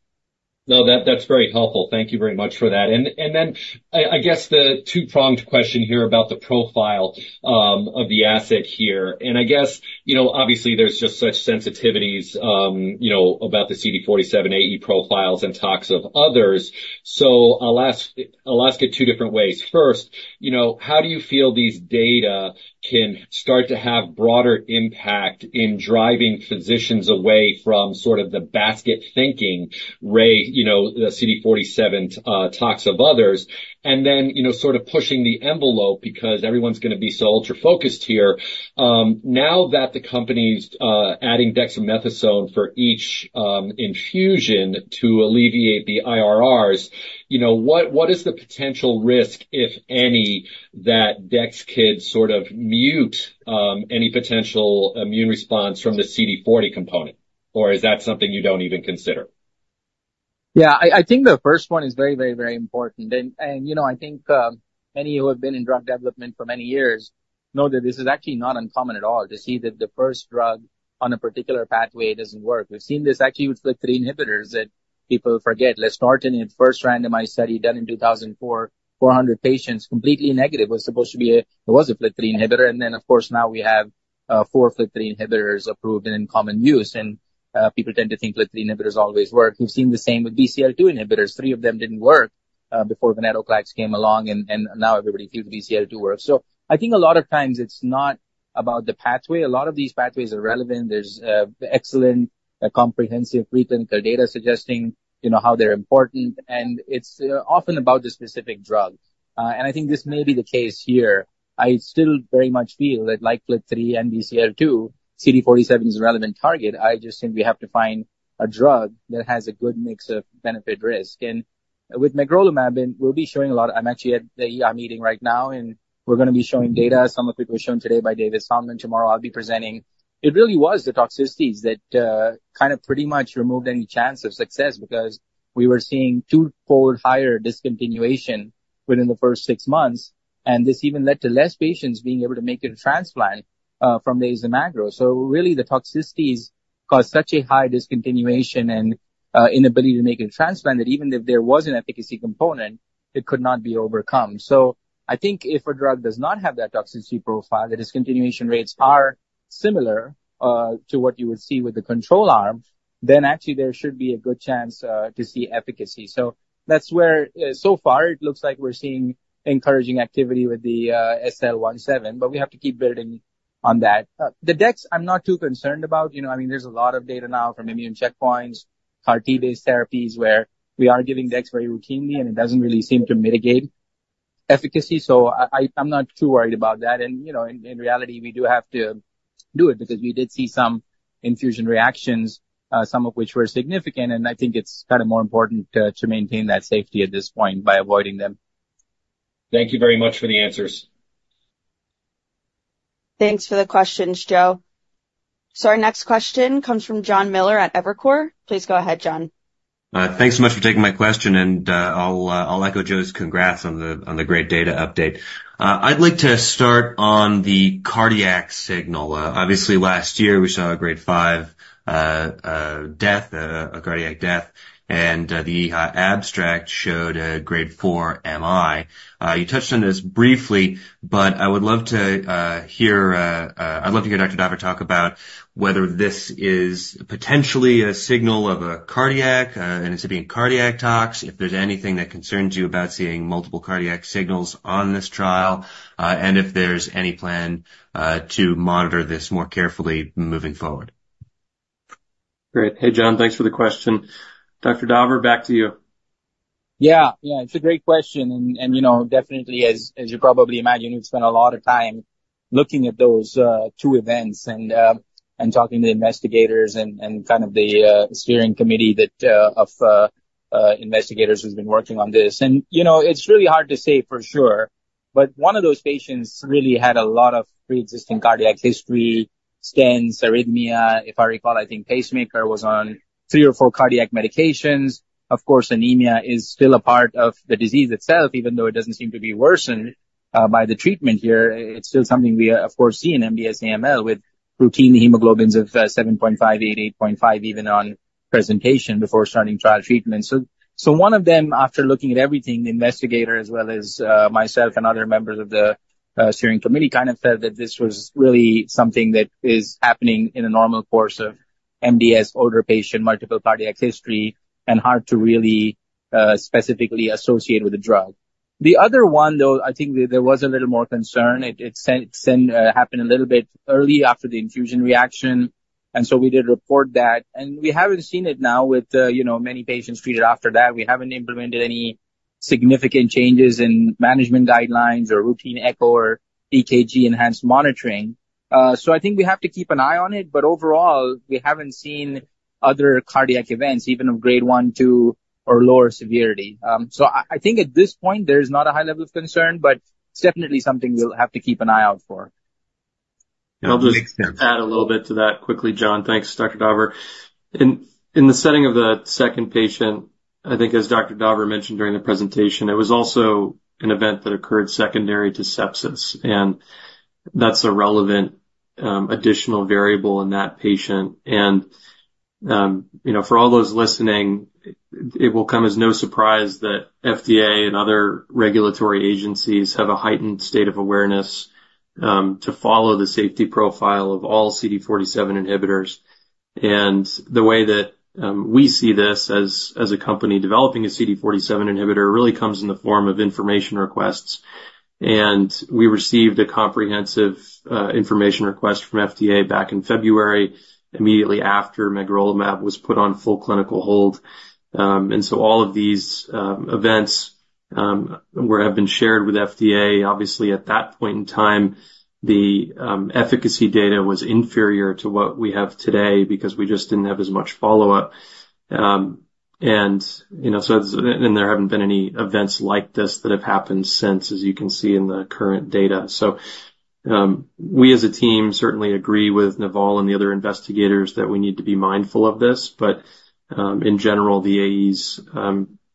No, that's very helpful. Thank you very much for that. And then I guess the two-pronged question here about the profile of the asset here. And I guess, obviously, there's just such sensitivities about the CD47 AE profiles and talks of others. So I'll ask it two different ways. First, how do you feel these data can start to have broader impact in driving physicians away from sort of the basket thinking, the CD47 talks of others, and then sort of pushing the envelope because everyone's going to be so ultra-focused here? Now that the company's adding dexamethasone for each infusion to alleviate the IRRs, what is the potential risk, if any, that dex could sort of mute any potential immune response from the CD40 component? Or is that something you don't even consider? Yeah, I think the first one is very, very, very important. And I think many who have been in drug development for many years know that this is actually not uncommon at all to see that the first drug on a particular pathway doesn't work. We've seen this actually with FLT3 inhibitors that people forget. Let's start in the first randomized study done in 2004, 400 patients, completely negative. It was supposed to be a FLT3 inhibitor. And then, of course, now we have 4 FLT3 inhibitors approved and in common use. And people tend to think FLT3 inhibitors always work. We've seen the same with BCL2 inhibitors. 3 of them didn't work before venetoclax came along, and now everybody feels BCL2 works. So I think a lot of times it's not about the pathway. A lot of these pathways are relevant. There's excellent comprehensive preclinical data suggesting how they're important, and it's often about the specific drug. And I think this may be the case here. I still very much feel that, like FLT3 and BCL2, CD47 is a relevant target. I just think we have to find a drug that has a good mix of benefit-risk. With magrolimab, we'll be showing a lot. I'm actually at the meeting right now, and we're going to be showing data. Some of it was shown today by David Sallman. Tomorrow, I'll be presenting. It really was the toxicities that kind of pretty much removed any chance of success because we were seeing twofold higher discontinuation within the first six months. And this even led to less patients being able to make a transplant from the aza-magrolimab. So really, the toxicities caused such a high discontinuation and inability to make a transplant that even if there was an efficacy component, it could not be overcome. So I think if a drug does not have that toxicity profile, the discontinuation rates are similar to what you would see with the control arm, then actually there should be a good chance to see efficacy. So that's where so far it looks like we're seeing encouraging activity with the SL-172154, but we have to keep building on that. The DEX, I'm not too concerned about. I mean, there's a lot of data now from immune checkpoints, CAR T-based therapies where we are giving DEX very routinely, and it doesn't really seem to mitigate efficacy. So I'm not too worried about that. And in reality, we do have to do it because we did see some infusion reactions, some of which were significant. And I think it's kind of more important to maintain that safety at this point by avoiding them. Thank you very much for the answers. Thanks for the questions, Joe. So our next question comes from Jon Miller at Evercore ISI. Please go ahead, Jon. Thanks so much for taking my question. And I'll echo Joe's congrats on the great data update. I'd like to start on the cardiac signal. Obviously, last year, we saw a grade 5 death, a cardiac death. The abstract showed a grade 4 MI. You touched on this briefly, but I would love to hear Dr. Daver talk about whether this is potentially a signal of a cardiac and incipient cardiac tox, if there's anything that concerns you about seeing multiple cardiac signals on this trial, and if there's any plan to monitor this more carefully moving forward. Great. Hey, Jon, thanks for the question. Dr. Daver, back to you. Yeah, yeah. It's a great question. And definitely, as you probably imagine, we've spent a lot of time looking at those two events and talking to the investigators and kind of the steering committee of investigators who've been working on this. It's really hard to say for sure, but one of those patients really had a lot of pre-existing cardiac history, stents, arrhythmia. If I recall, I think pacemaker was on 3 or 4 cardiac medications. Of course, anemia is still a part of the disease itself, even though it doesn't seem to be worsened by the treatment here. It's still something we, of course, see in MDS AML with routine hemoglobins of 7.5, 8.5, even on presentation before starting trial treatment. So one of them, after looking at everything, the investigator as well as myself and other members of the steering committee kind of said that this was really something that is happening in a normal course of MDS, older patient, multiple cardiac history, and hard to really specifically associate with a drug. The other one, though, I think there was a little more concern. It happened a little bit early after the infusion reaction. So we did report that. We haven't seen it now with many patients treated after that. We haven't implemented any significant changes in management guidelines or routine echo or EKG enhanced monitoring. So I think we have to keep an eye on it. But overall, we haven't seen other cardiac events, even of grade one, two, or lower severity. So I think at this point, there's not a high level of concern, but it's definitely something we'll have to keep an eye out for. I'll just add a little bit to that quickly, Jon. Thanks, Dr. Daver. In the setting of the second patient, I think as Dr. Daver mentioned during the presentation, it was also an event that occurred secondary to sepsis. That's a relevant additional variable in that patient. For all those listening, it will come as no surprise that FDA and other regulatory agencies have a heightened state of awareness to follow the safety profile of all CD47 inhibitors. The way that we see this as a company developing a CD47 inhibitor really comes in the form of information requests. We received a comprehensive information request from FDA back in February immediately after magrolimab was put on full clinical hold. So all of these events have been shared with FDA. Obviously, at that point in time, the efficacy data was inferior to what we have today because we just didn't have as much follow-up. So there haven't been any events like this that have happened since, as you can see in the current data. So we as a team certainly agree with Naval and the other investigators that we need to be mindful of this. But in general, the AEs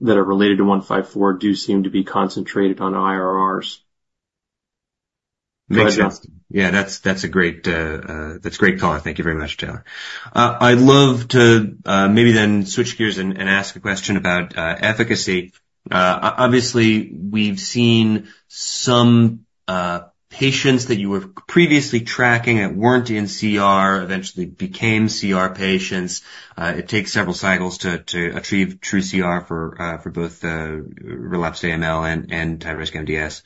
that are related to 154 do seem to be concentrated on IRRs. Thanks, Jon. Yeah, that's a great call. Thank you very much, Taylor. I'd love to maybe then switch gears and ask a question about efficacy. Obviously, we've seen some patients that you were previously tracking that weren't in CR eventually became CR patients. It takes several cycles to achieve true CR for both relapsed AML and high-risk MDS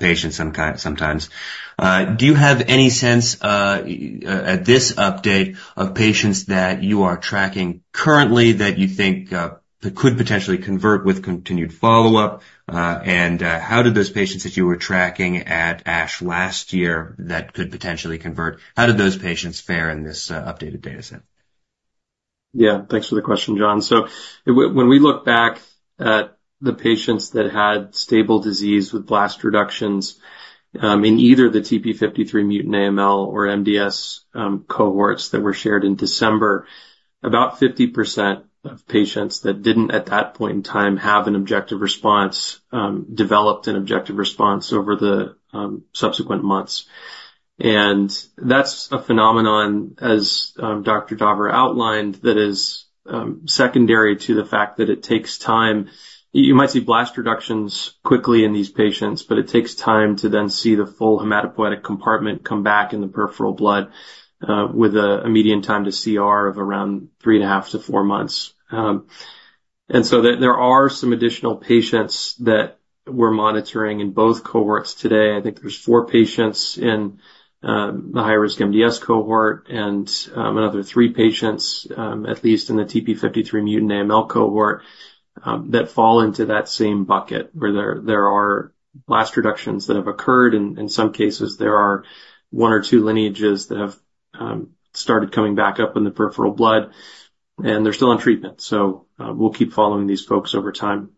patients sometimes. Do you have any sense at this update of patients that you are tracking currently that you think could potentially convert with continued follow-up? And how did those patients that you were tracking at ASH last year that could potentially convert? How did those patients fare in this updated data set? Yeah, thanks for the question, Jon. So when we look back at the patients that had stable disease with blast reductions in either the TP53 mutant AML or MDS cohorts that were shared in December, about 50% of patients that didn't at that point in time have an objective response developed an objective response over the subsequent months. And that's a phenomenon, as Dr. Daver outlined, that is secondary to the fact that it takes time. You might see blast reductions quickly in these patients, but it takes time to then see the full hematopoietic compartment come back in the peripheral blood with a median time to CR of around 3.5-4 months. And so there are some additional patients that we're monitoring in both cohorts today. I think there's 4 patients in the high-risk MDS cohort and another 3 patients, at least in the TP53 mutant AML cohort, that fall into that same bucket where there are blast reductions that have occurred. In some cases, there are 1 or 2 lineages that have started coming back up in the peripheral blood, and they're still on treatment. So we'll keep following these folks over time.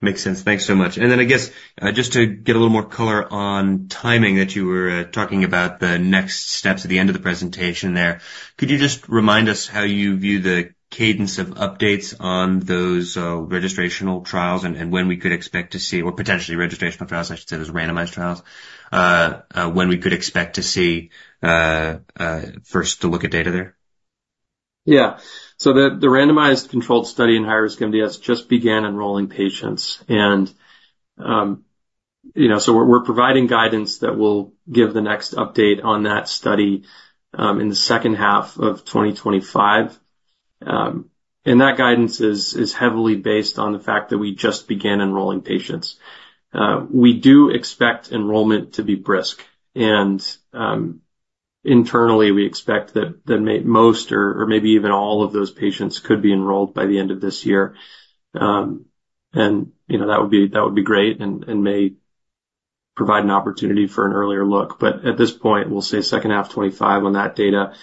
Makes sense. Thanks so much. And then I guess just to get a little more color on timing that you were talking about the next steps at the end of the presentation there, could you just remind us how you view the cadence of updates on those registrational trials and when we could expect to see or potentially registrational trials, I should say, those randomized trials, when we could expect to see first to look at data there? Yeah. The randomized controlled study in high-risk MDS just began enrolling patients. We're providing guidance that will give the next update on that study in the second half of 2025. That guidance is heavily based on the fact that we just began enrolling patients. We do expect enrollment to be brisk. Internally, we expect that most or maybe even all of those patients could be enrolled by the end of this year. That would be great and may provide an opportunity for an earlier look. But at this point, we'll say second half of 2025 on that data.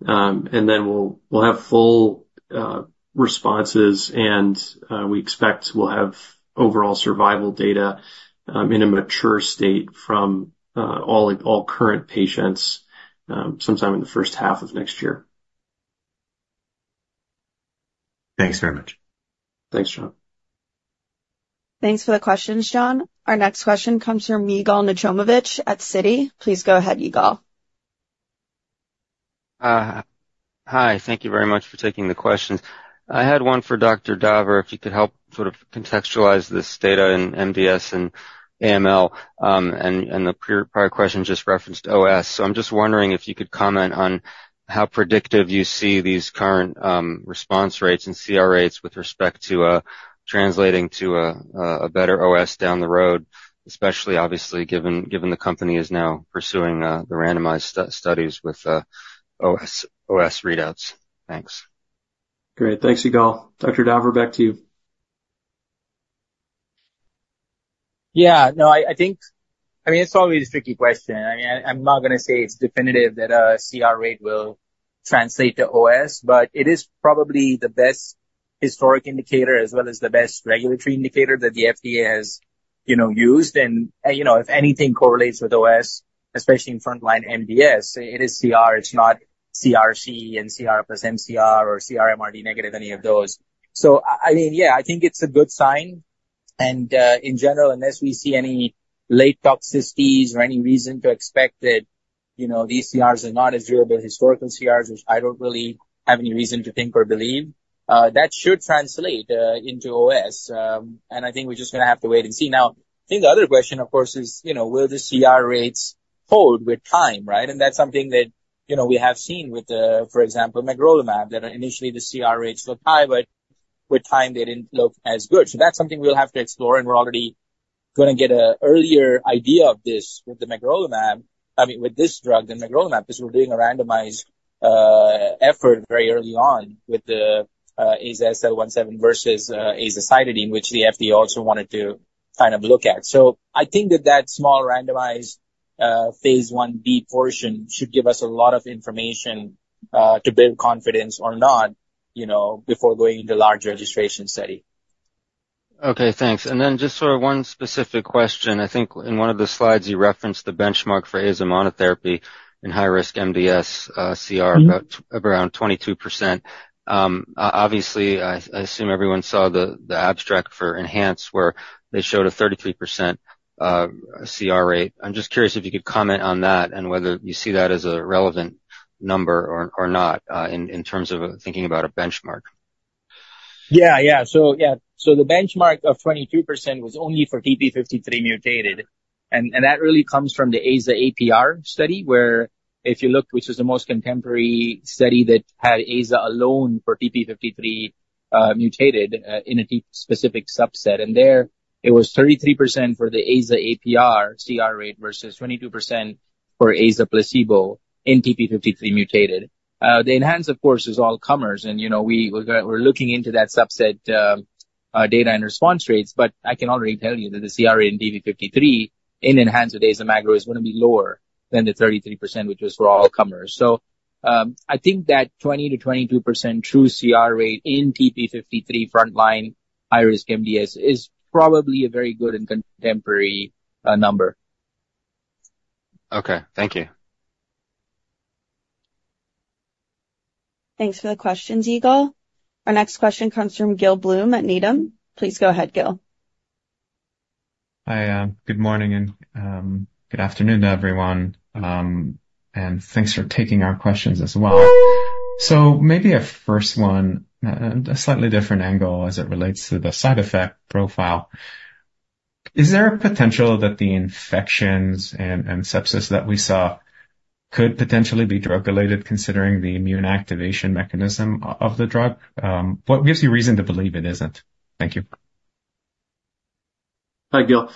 Then we'll have full responses, and we expect we'll have overall survival data in a mature state from all current patients sometime in the first half of next year. Thanks very much. Thanks, Jon. Thanks for the questions, Jon. Our next question comes from Yigal Nochomovitz at Citigroup. Please go ahead, Yigal. Hi. Thank you very much for taking the questions. I had one for Dr. Daver if you could help sort of contextualize this data in MDS and AML. And the prior question just referenced OS. So I'm just wondering if you could comment on how predictive you see these current response rates and CR rates with respect to translating to a better OS down the road, especially obviously given the company is now pursuing the randomized studies with OS readouts. Thanks. Great. Thanks, Yigal. Dr. Daver, back to you. Yeah. No, I think, I mean, it's always a tricky question. I mean, I'm not going to say it's definitive that a CR rate will translate to OS, but it is probably the best historic indicator as well as the best regulatory indicator that the FDA has used. And if anything correlates with OS, especially in frontline MDS, it is CR. It's not CRc and CR plus mCR or CR MRD negative, any of those. So I mean, yeah, I think it's a good sign. And in general, unless we see any late toxicities or any reason to expect that these CRs are not as durable as historical CRs, which I don't really have any reason to think or believe, that should translate into OS. And I think we're just going to have to wait and see. Now, I think the other question, of course, is, will the CR rates hold with time, right? And that's something that we have seen with, for example, magrolimab, that initially the CR rates looked high, but with time, they didn't look as good. So that's something we'll have to explore. And we're already going to get an earlier idea of this with the magrolimab, I mean, with this drug than magrolimab because we're doing a randomized effort very early on with the Aza/SL-172154 versus azacitidine, which the FDA also wanted to kind of look at. So I think that that small randomized phase 1b portion should give us a lot of information to build confidence or not before going into large registration study. Okay. Thanks. And then just for one specific question, I think in one of the slides, you referenced the benchmark for aza monotherapy in high-risk MDS CR, about 22%. Obviously, I assume everyone saw the abstract for ENHANCE where they showed a 33% CR rate. I'm just curious if you could comment on that and whether you see that as a relevant number or not in terms of thinking about a benchmark. Yeah, yeah. So yeah, so the benchmark of 22% was only for TP53 mutated. And that really comes from the aza APR study where, if you look, which is the most contemporary study that had aza alone for TP53 mutated in a specific subset. And there, it was 33% for the aza APR CR rate versus 22% for aza placebo in TP53 mutated. The ENHANCE, of course, is all comers. And we're looking into that subset data and response rates. But I can already tell you that the CR rate in TP53 in ENHANCE with aza magrolimab is going to be lower than the 33%, which was for all comers. So I think that 20%-22% true CR rate in TP53 frontline high-risk MDS is probably a very good and contemporary number. Okay. Thank you. Thanks for the questions, Yigal. Our next question comes from Gil Blum at Needham. Please go ahead, Gil. Hi, good morning and good afternoon to everyone. Thanks for taking our questions as well. So maybe a first one, a slightly different angle as it relates to the side effect profile. Is there a potential that the infections and sepsis that we saw could potentially be drug-related considering the immune activation mechanism of the drug? What gives you reason to believe it isn't? Thank you. Hi, Gil.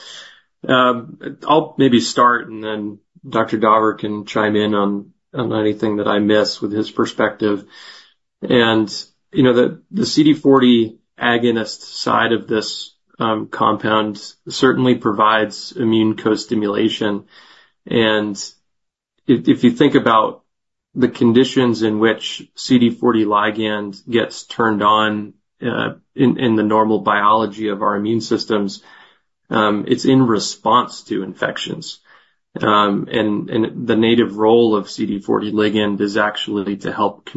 I'll maybe start, and then Dr. Daver can chime in on anything that I miss with his perspective. The CD40 agonist side of this compound certainly provides immune co-stimulation. If you think about the conditions in which CD40 ligand gets turned on in the normal biology of our immune systems, it's in response to infections. And the native role of CD40 ligand is actually to help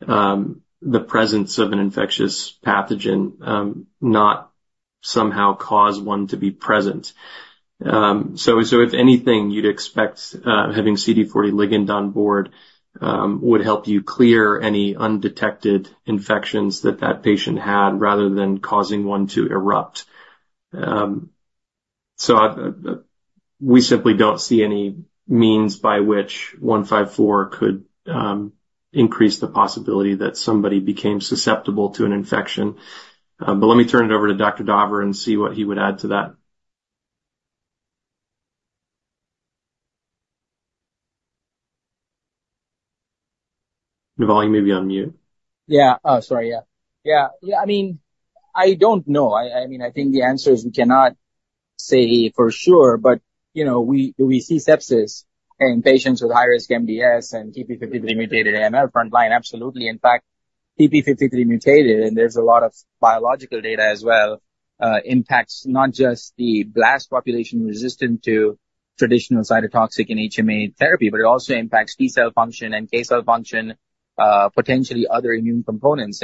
the presence of an infectious pathogen, not somehow cause one to be present. So if anything, you'd expect having CD40 ligand on board would help you clear any undetected infections that that patient had rather than causing one to erupt. So we simply don't see any means by which 154 could increase the possibility that somebody became susceptible to an infection. But let me turn it over to Dr. Daver and see what he would add to that. Naval, you may be on mute. Yeah. Oh, sorry. Yeah. Yeah. I mean, I don't know. I mean, I think the answer is we cannot say for sure, but we see sepsis in patients with high-risk MDS and TP53 mutated AML frontline, absolutely. In fact, TP53 mutated, and there's a lot of biological data as well, impacts not just the blast population resistant to traditional cytotoxic and HMA therapy, but it also impacts T cell function and NK cell function, potentially other immune components.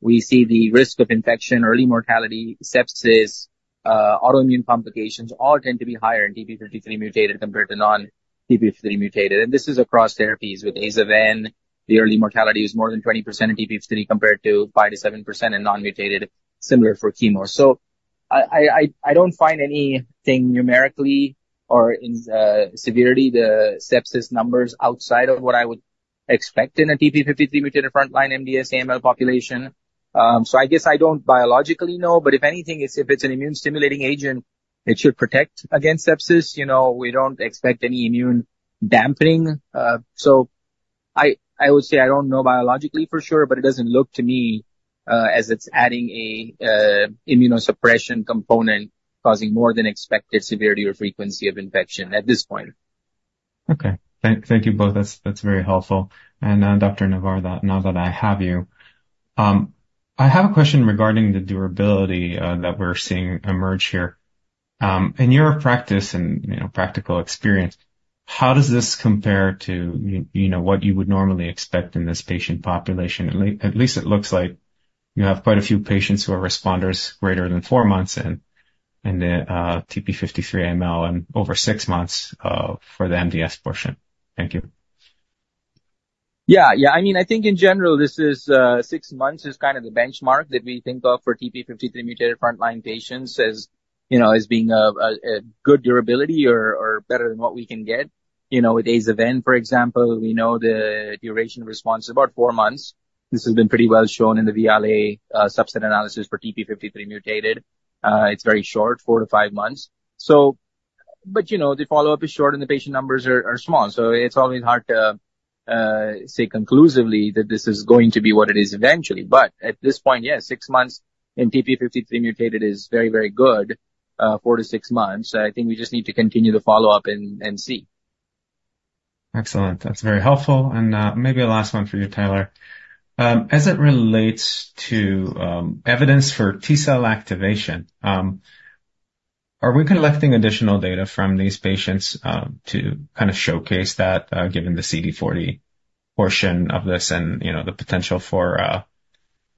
We see the risk of infection, early mortality, sepsis, autoimmune complications all tend to be higher in TP53 mutated compared to non-TP53 mutated. This is across therapies with Aza-Ven. The early mortality is more than 20% in TP53 compared to 5%-7% in non-mutated, similar for chemo. I don't find anything numerically or in severity, the sepsis numbers outside of what I would expect in a TP53 mutated frontline MDS AML population. I guess I don't biologically know, but if anything, if it's an immune-stimulating agent, it should protect against sepsis. We don't expect any immune dampening. So I would say I don't know biologically for sure, but it doesn't look to me as it's adding an immunosuppression component causing more than expected severity or frequency of infection at this point. Okay. Thank you both. That's very helpful. And Dr. Daver, now that I have you, I have a question regarding the durability that we're seeing emerge here. In your practice and practical experience, how does this compare to what you would normally expect in this patient population? At least it looks like you have quite a few patients who are responders greater than four months in the TP53 AML and over six months for the MDS portion. Thank you. Yeah. Yeah. I mean, I think in general, six months is kind of the benchmark that we think of for TP53 mutated frontline patients as being a good durability or better than what we can get. With Aza-Ven, for example, we know the duration of response is about four months. This has been pretty well shown in the VIALE-A subset analysis for TP53 mutated. It's very short, four to five months. But the follow-up is short and the patient numbers are small. So it's always hard to say conclusively that this is going to be what it is eventually. But at this point, yeah, six months in TP53 mutated is very, very good, four to six months. I think we just need to continue the follow-up and see. Excellent. That's very helpful. And maybe a last one for you, Taylor. As it relates to evidence for T cell activation, are we collecting additional data from these patients to kind of showcase that given the CD40 portion of this and the potential for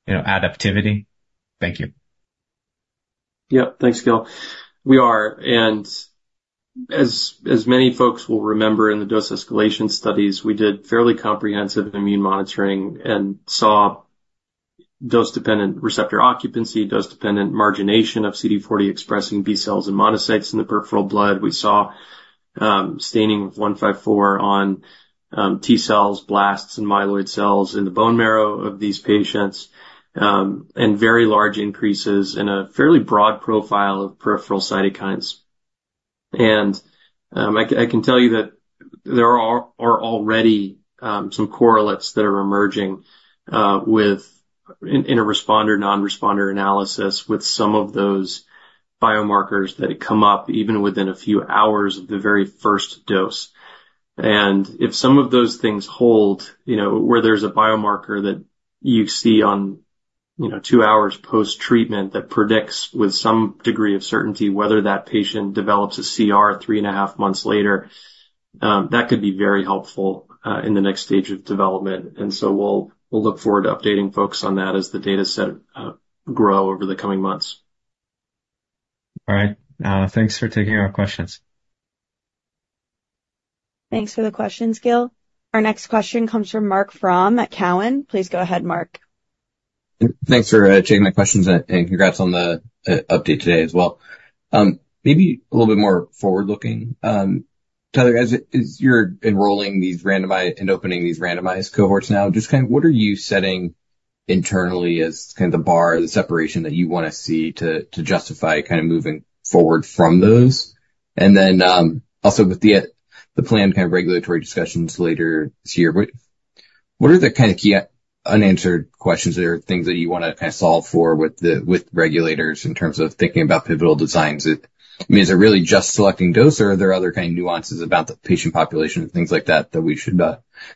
adaptivity? Thank you. Yep. Thanks, Gil. We are. As many folks will remember in the dose escalation studies, we did fairly comprehensive immune monitoring and saw dose-dependent receptor occupancy, dose-dependent margination of CD40 expressing B cells and monocytes in the peripheral blood. We saw staining of 154 on T cells, blasts, and myeloid cells in the bone marrow of these patients, and very large increases in a fairly broad profile of peripheral cytokines. I can tell you that there are already some correlates that are emerging in a responder-non-responder analysis with some of those biomarkers that come up even within a few hours of the very first dose. If some of those things hold, where there's a biomarker that you see on two hours post-treatment that predicts with some degree of certainty whether that patient develops a CR three and a half months later, that could be very helpful in the next stage of development. And so we'll look forward to updating folks on that as the data set grow over the coming months. All right. Thanks for taking our questions. Thanks for the questions, Gil. Our next question comes from Marc Frahm at TD Cowen. Please go ahead, Marc. Thanks for taking my questions and congrats on the update today as well. Maybe a little bit more forward-looking. Taylor, as you're enrolling these randomized and opening these randomized cohorts now, just kind of what are you setting internally as kind of the bar, the separation that you want to see to justify kind of moving forward from those? And then also with the planned kind of regulatory discussions later this year, what are the kind of key unanswered questions or things that you want to kind of solve for with regulators in terms of thinking about pivotal designs? I mean, is it really just selecting dose, or are there other kind of nuances about the patient population and things like that that we should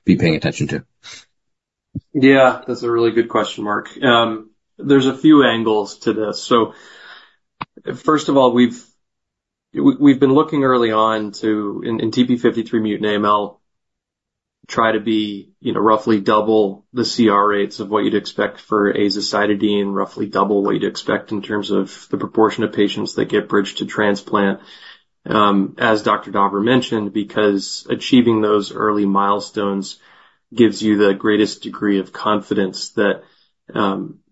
be paying attention to? Yeah. That's a really good question, Marc. There's a few angles to this. So first of all, we've been looking early on to, in TP53 mutant AML, try to be roughly double the CR rates of what you'd expect for azacitidine, roughly double what you'd expect in terms of the proportion of patients that get bridged to transplant, as Dr. Daver mentioned, because achieving those early milestones gives you the greatest degree of confidence that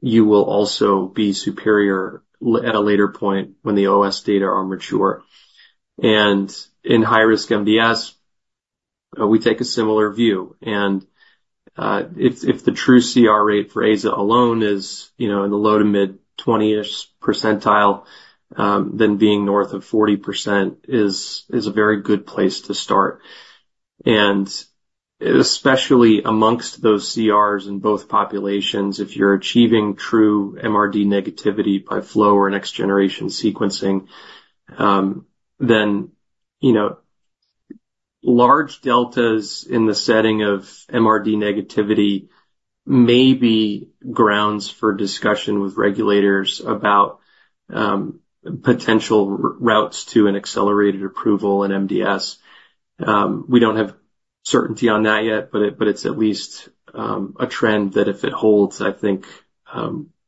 you will also be superior at a later point when the OS data are mature. In high-risk MDS, we take a similar view. If the true CR rate for aza alone is in the low to mid-20s%, then being north of 40% is a very good place to start. Especially amongst those CRs in both populations, if you're achieving true MRD negativity by flow or next-generation sequencing, then large deltas in the setting of MRD negativity may be grounds for discussion with regulators about potential routes to an accelerated approval in MDS. We don't have certainty on that yet, but it's at least a trend that if it holds, I think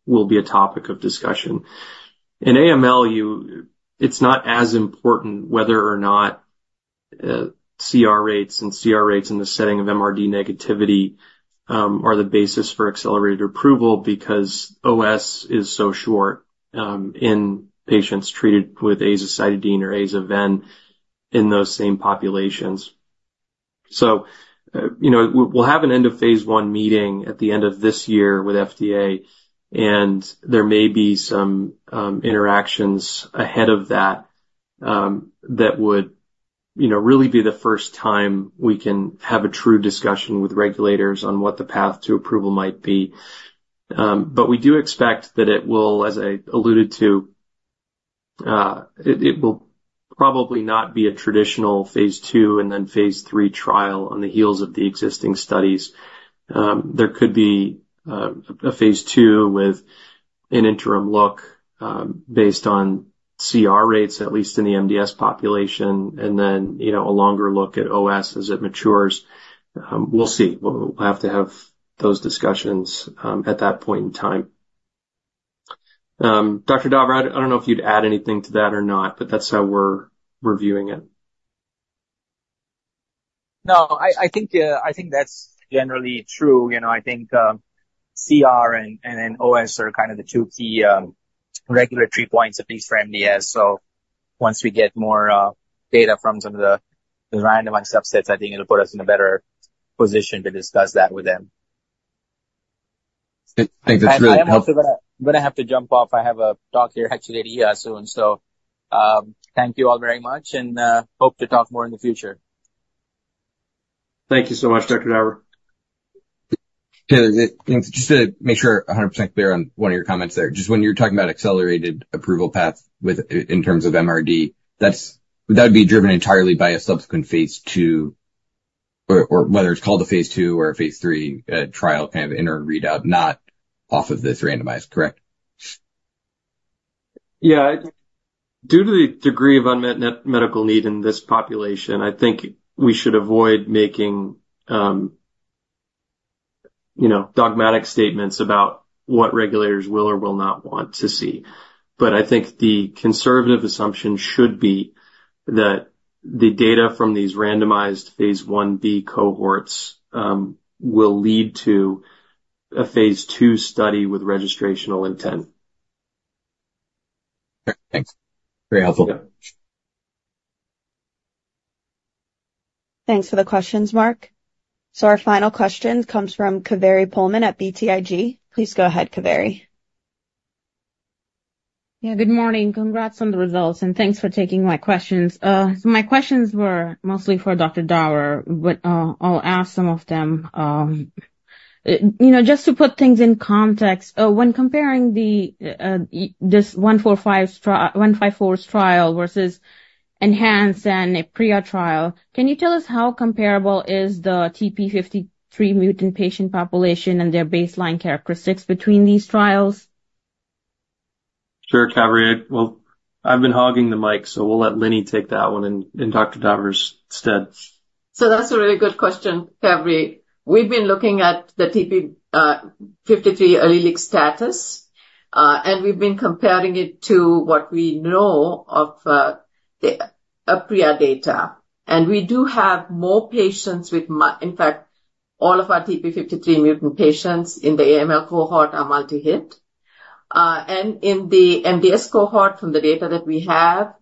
will be a topic of discussion. In AML, it's not as important whether or not CR rates and CR rates in the setting of MRD negativity are the basis for accelerated approval because OS is so short in patients treated with azacitidine or Aza-Ven in those same populations. So we'll have an end-of-phase 1 meeting at the end of this year with FDA, and there may be some interactions ahead of that that would really be the first time we can have a true discussion with regulators on what the path to approval might be. But we do expect that it will, as I alluded to, it will probably not be a traditional phase 2 and then phase 3 trial on the heels of the existing studies. There could be a phase 2 with an interim look based on CR rates, at least in the MDS population, and then a longer look at OS as it matures. We'll see. We'll have to have those discussions at that point in time. Dr. Daver, I don't know if you'd add anything to that or not, but that's how we're reviewing it. No. I think that's generally true. I think CR and then OS are kind of the two key regulatory points, at least for MDS. So once we get more data from some of the randomized subsets, I think it'll put us in a better position to discuss that with them. I think that's really helpful. I'm going to have to jump off. I have a talk here actually at EHA soon. So thank you all very much, and hope to talk more in the future. Thank you so much, Dr. Daver. Just to make sure I'm 100% clear on one of your comments there. Just when you're talking about accelerated approval path in terms of MRD, that would be driven entirely by a subsequent phase two, or whether it's called a phase two or a phase three trial kind of interim readout, not off of this randomized, correct? Yeah. Due to the degree of unmet medical need in this population, I think we should avoid making dogmatic statements about what regulators will or will not want to see. But I think the conservative assumption should be that the data from these randomized phase 1b cohorts will lead to a phase 2 study with registrational intent. Thanks. Very helpful. Thanks for the questions, Marc. So our final question comes from Kaveri Pohlman at BTIG. Please go ahead, Kaveri. Yeah. Good morning. Congrats on the results, and thanks for taking my questions. So my questions were mostly for Dr. Daver. I'll ask some of them. Just to put things in context, when comparing this 154 trial versus ENHANCE and a prior trial, can you tell us how comparable is the TP53 mutant patient population and their baseline characteristics between these trials? Sure, Kaveri. Well, I've been hogging the mic, so we'll let Lini take that one and Dr. Daver's instead. So that's a really good question, Kaveri. We've been looking at the TP53 allelic status, and we've been comparing it to what we know of the prior data. And we do have more patients with, in fact, all of our TP53 mutant patients in the AML cohort are multi-hit. And in the MDS cohort, from the data that we have,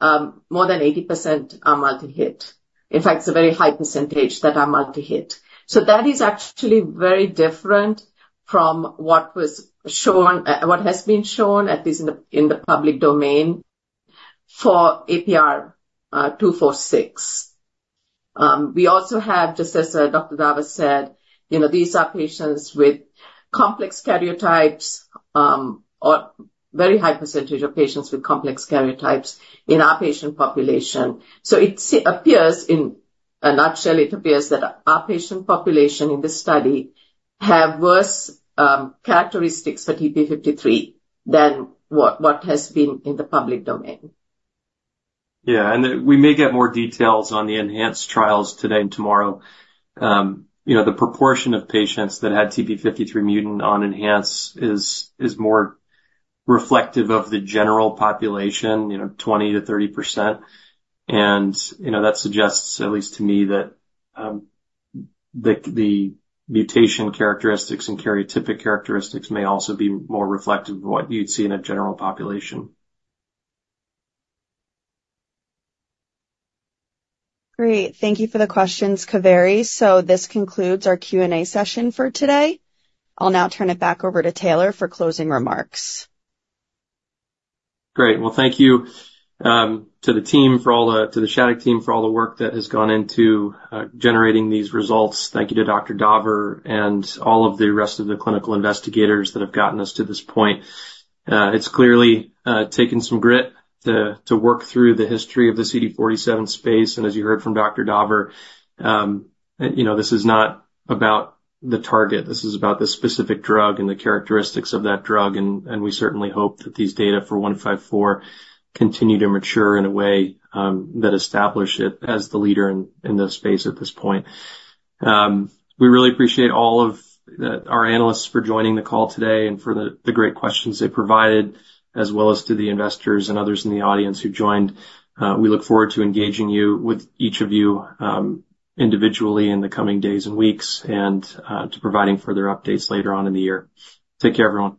more than 80% are multi-hit. In fact, it's a very high percentage that are multi-hit. So that is actually very different from what was shown, what has been shown, at least in the public domain for APR-246. We also have, just as Dr. Daver said, these are patients with complex karyotypes, or very high percentage of patients with complex karyotypes in our patient population. So it appears in a nutshell, it appears that our patient population in this study has worse characteristics for TP53 than what has been in the public domain. Yeah. And we may get more details on the ENHANCE trials today and tomorrow. The proportion of patients that had TP53 mutant on ENHANCE is more reflective of the general population, 20%-30%. And that suggests, at least to me, that the mutation characteristics and karyotypic characteristics may also be more reflective of what you'd see in a general population. Great. Thank you for the questions, Kaveri. So this concludes our Q&A session for today. I'll now turn it back over to Taylor for closing remarks. Great. Well, thank you to the team for all the, to the Shattuck team for all the work that has gone into generating these results. Thank you to Dr. Daver and all of the rest of the clinical investigators that have gotten us to this point. It's clearly taken some grit to work through the history of the CD47 space. As you heard from Dr. Daver, this is not about the target. This is about the specific drug and the characteristics of that drug. We certainly hope that these data for 154 continue to mature in a way that establishes it as the leader in the space at this point. We really appreciate all of our analysts for joining the call today and for the great questions they provided, as well as to the investors and others in the audience who joined. We look forward to engaging you with each of you individually in the coming days and weeks and to providing further updates later on in the year. Take care, everyone.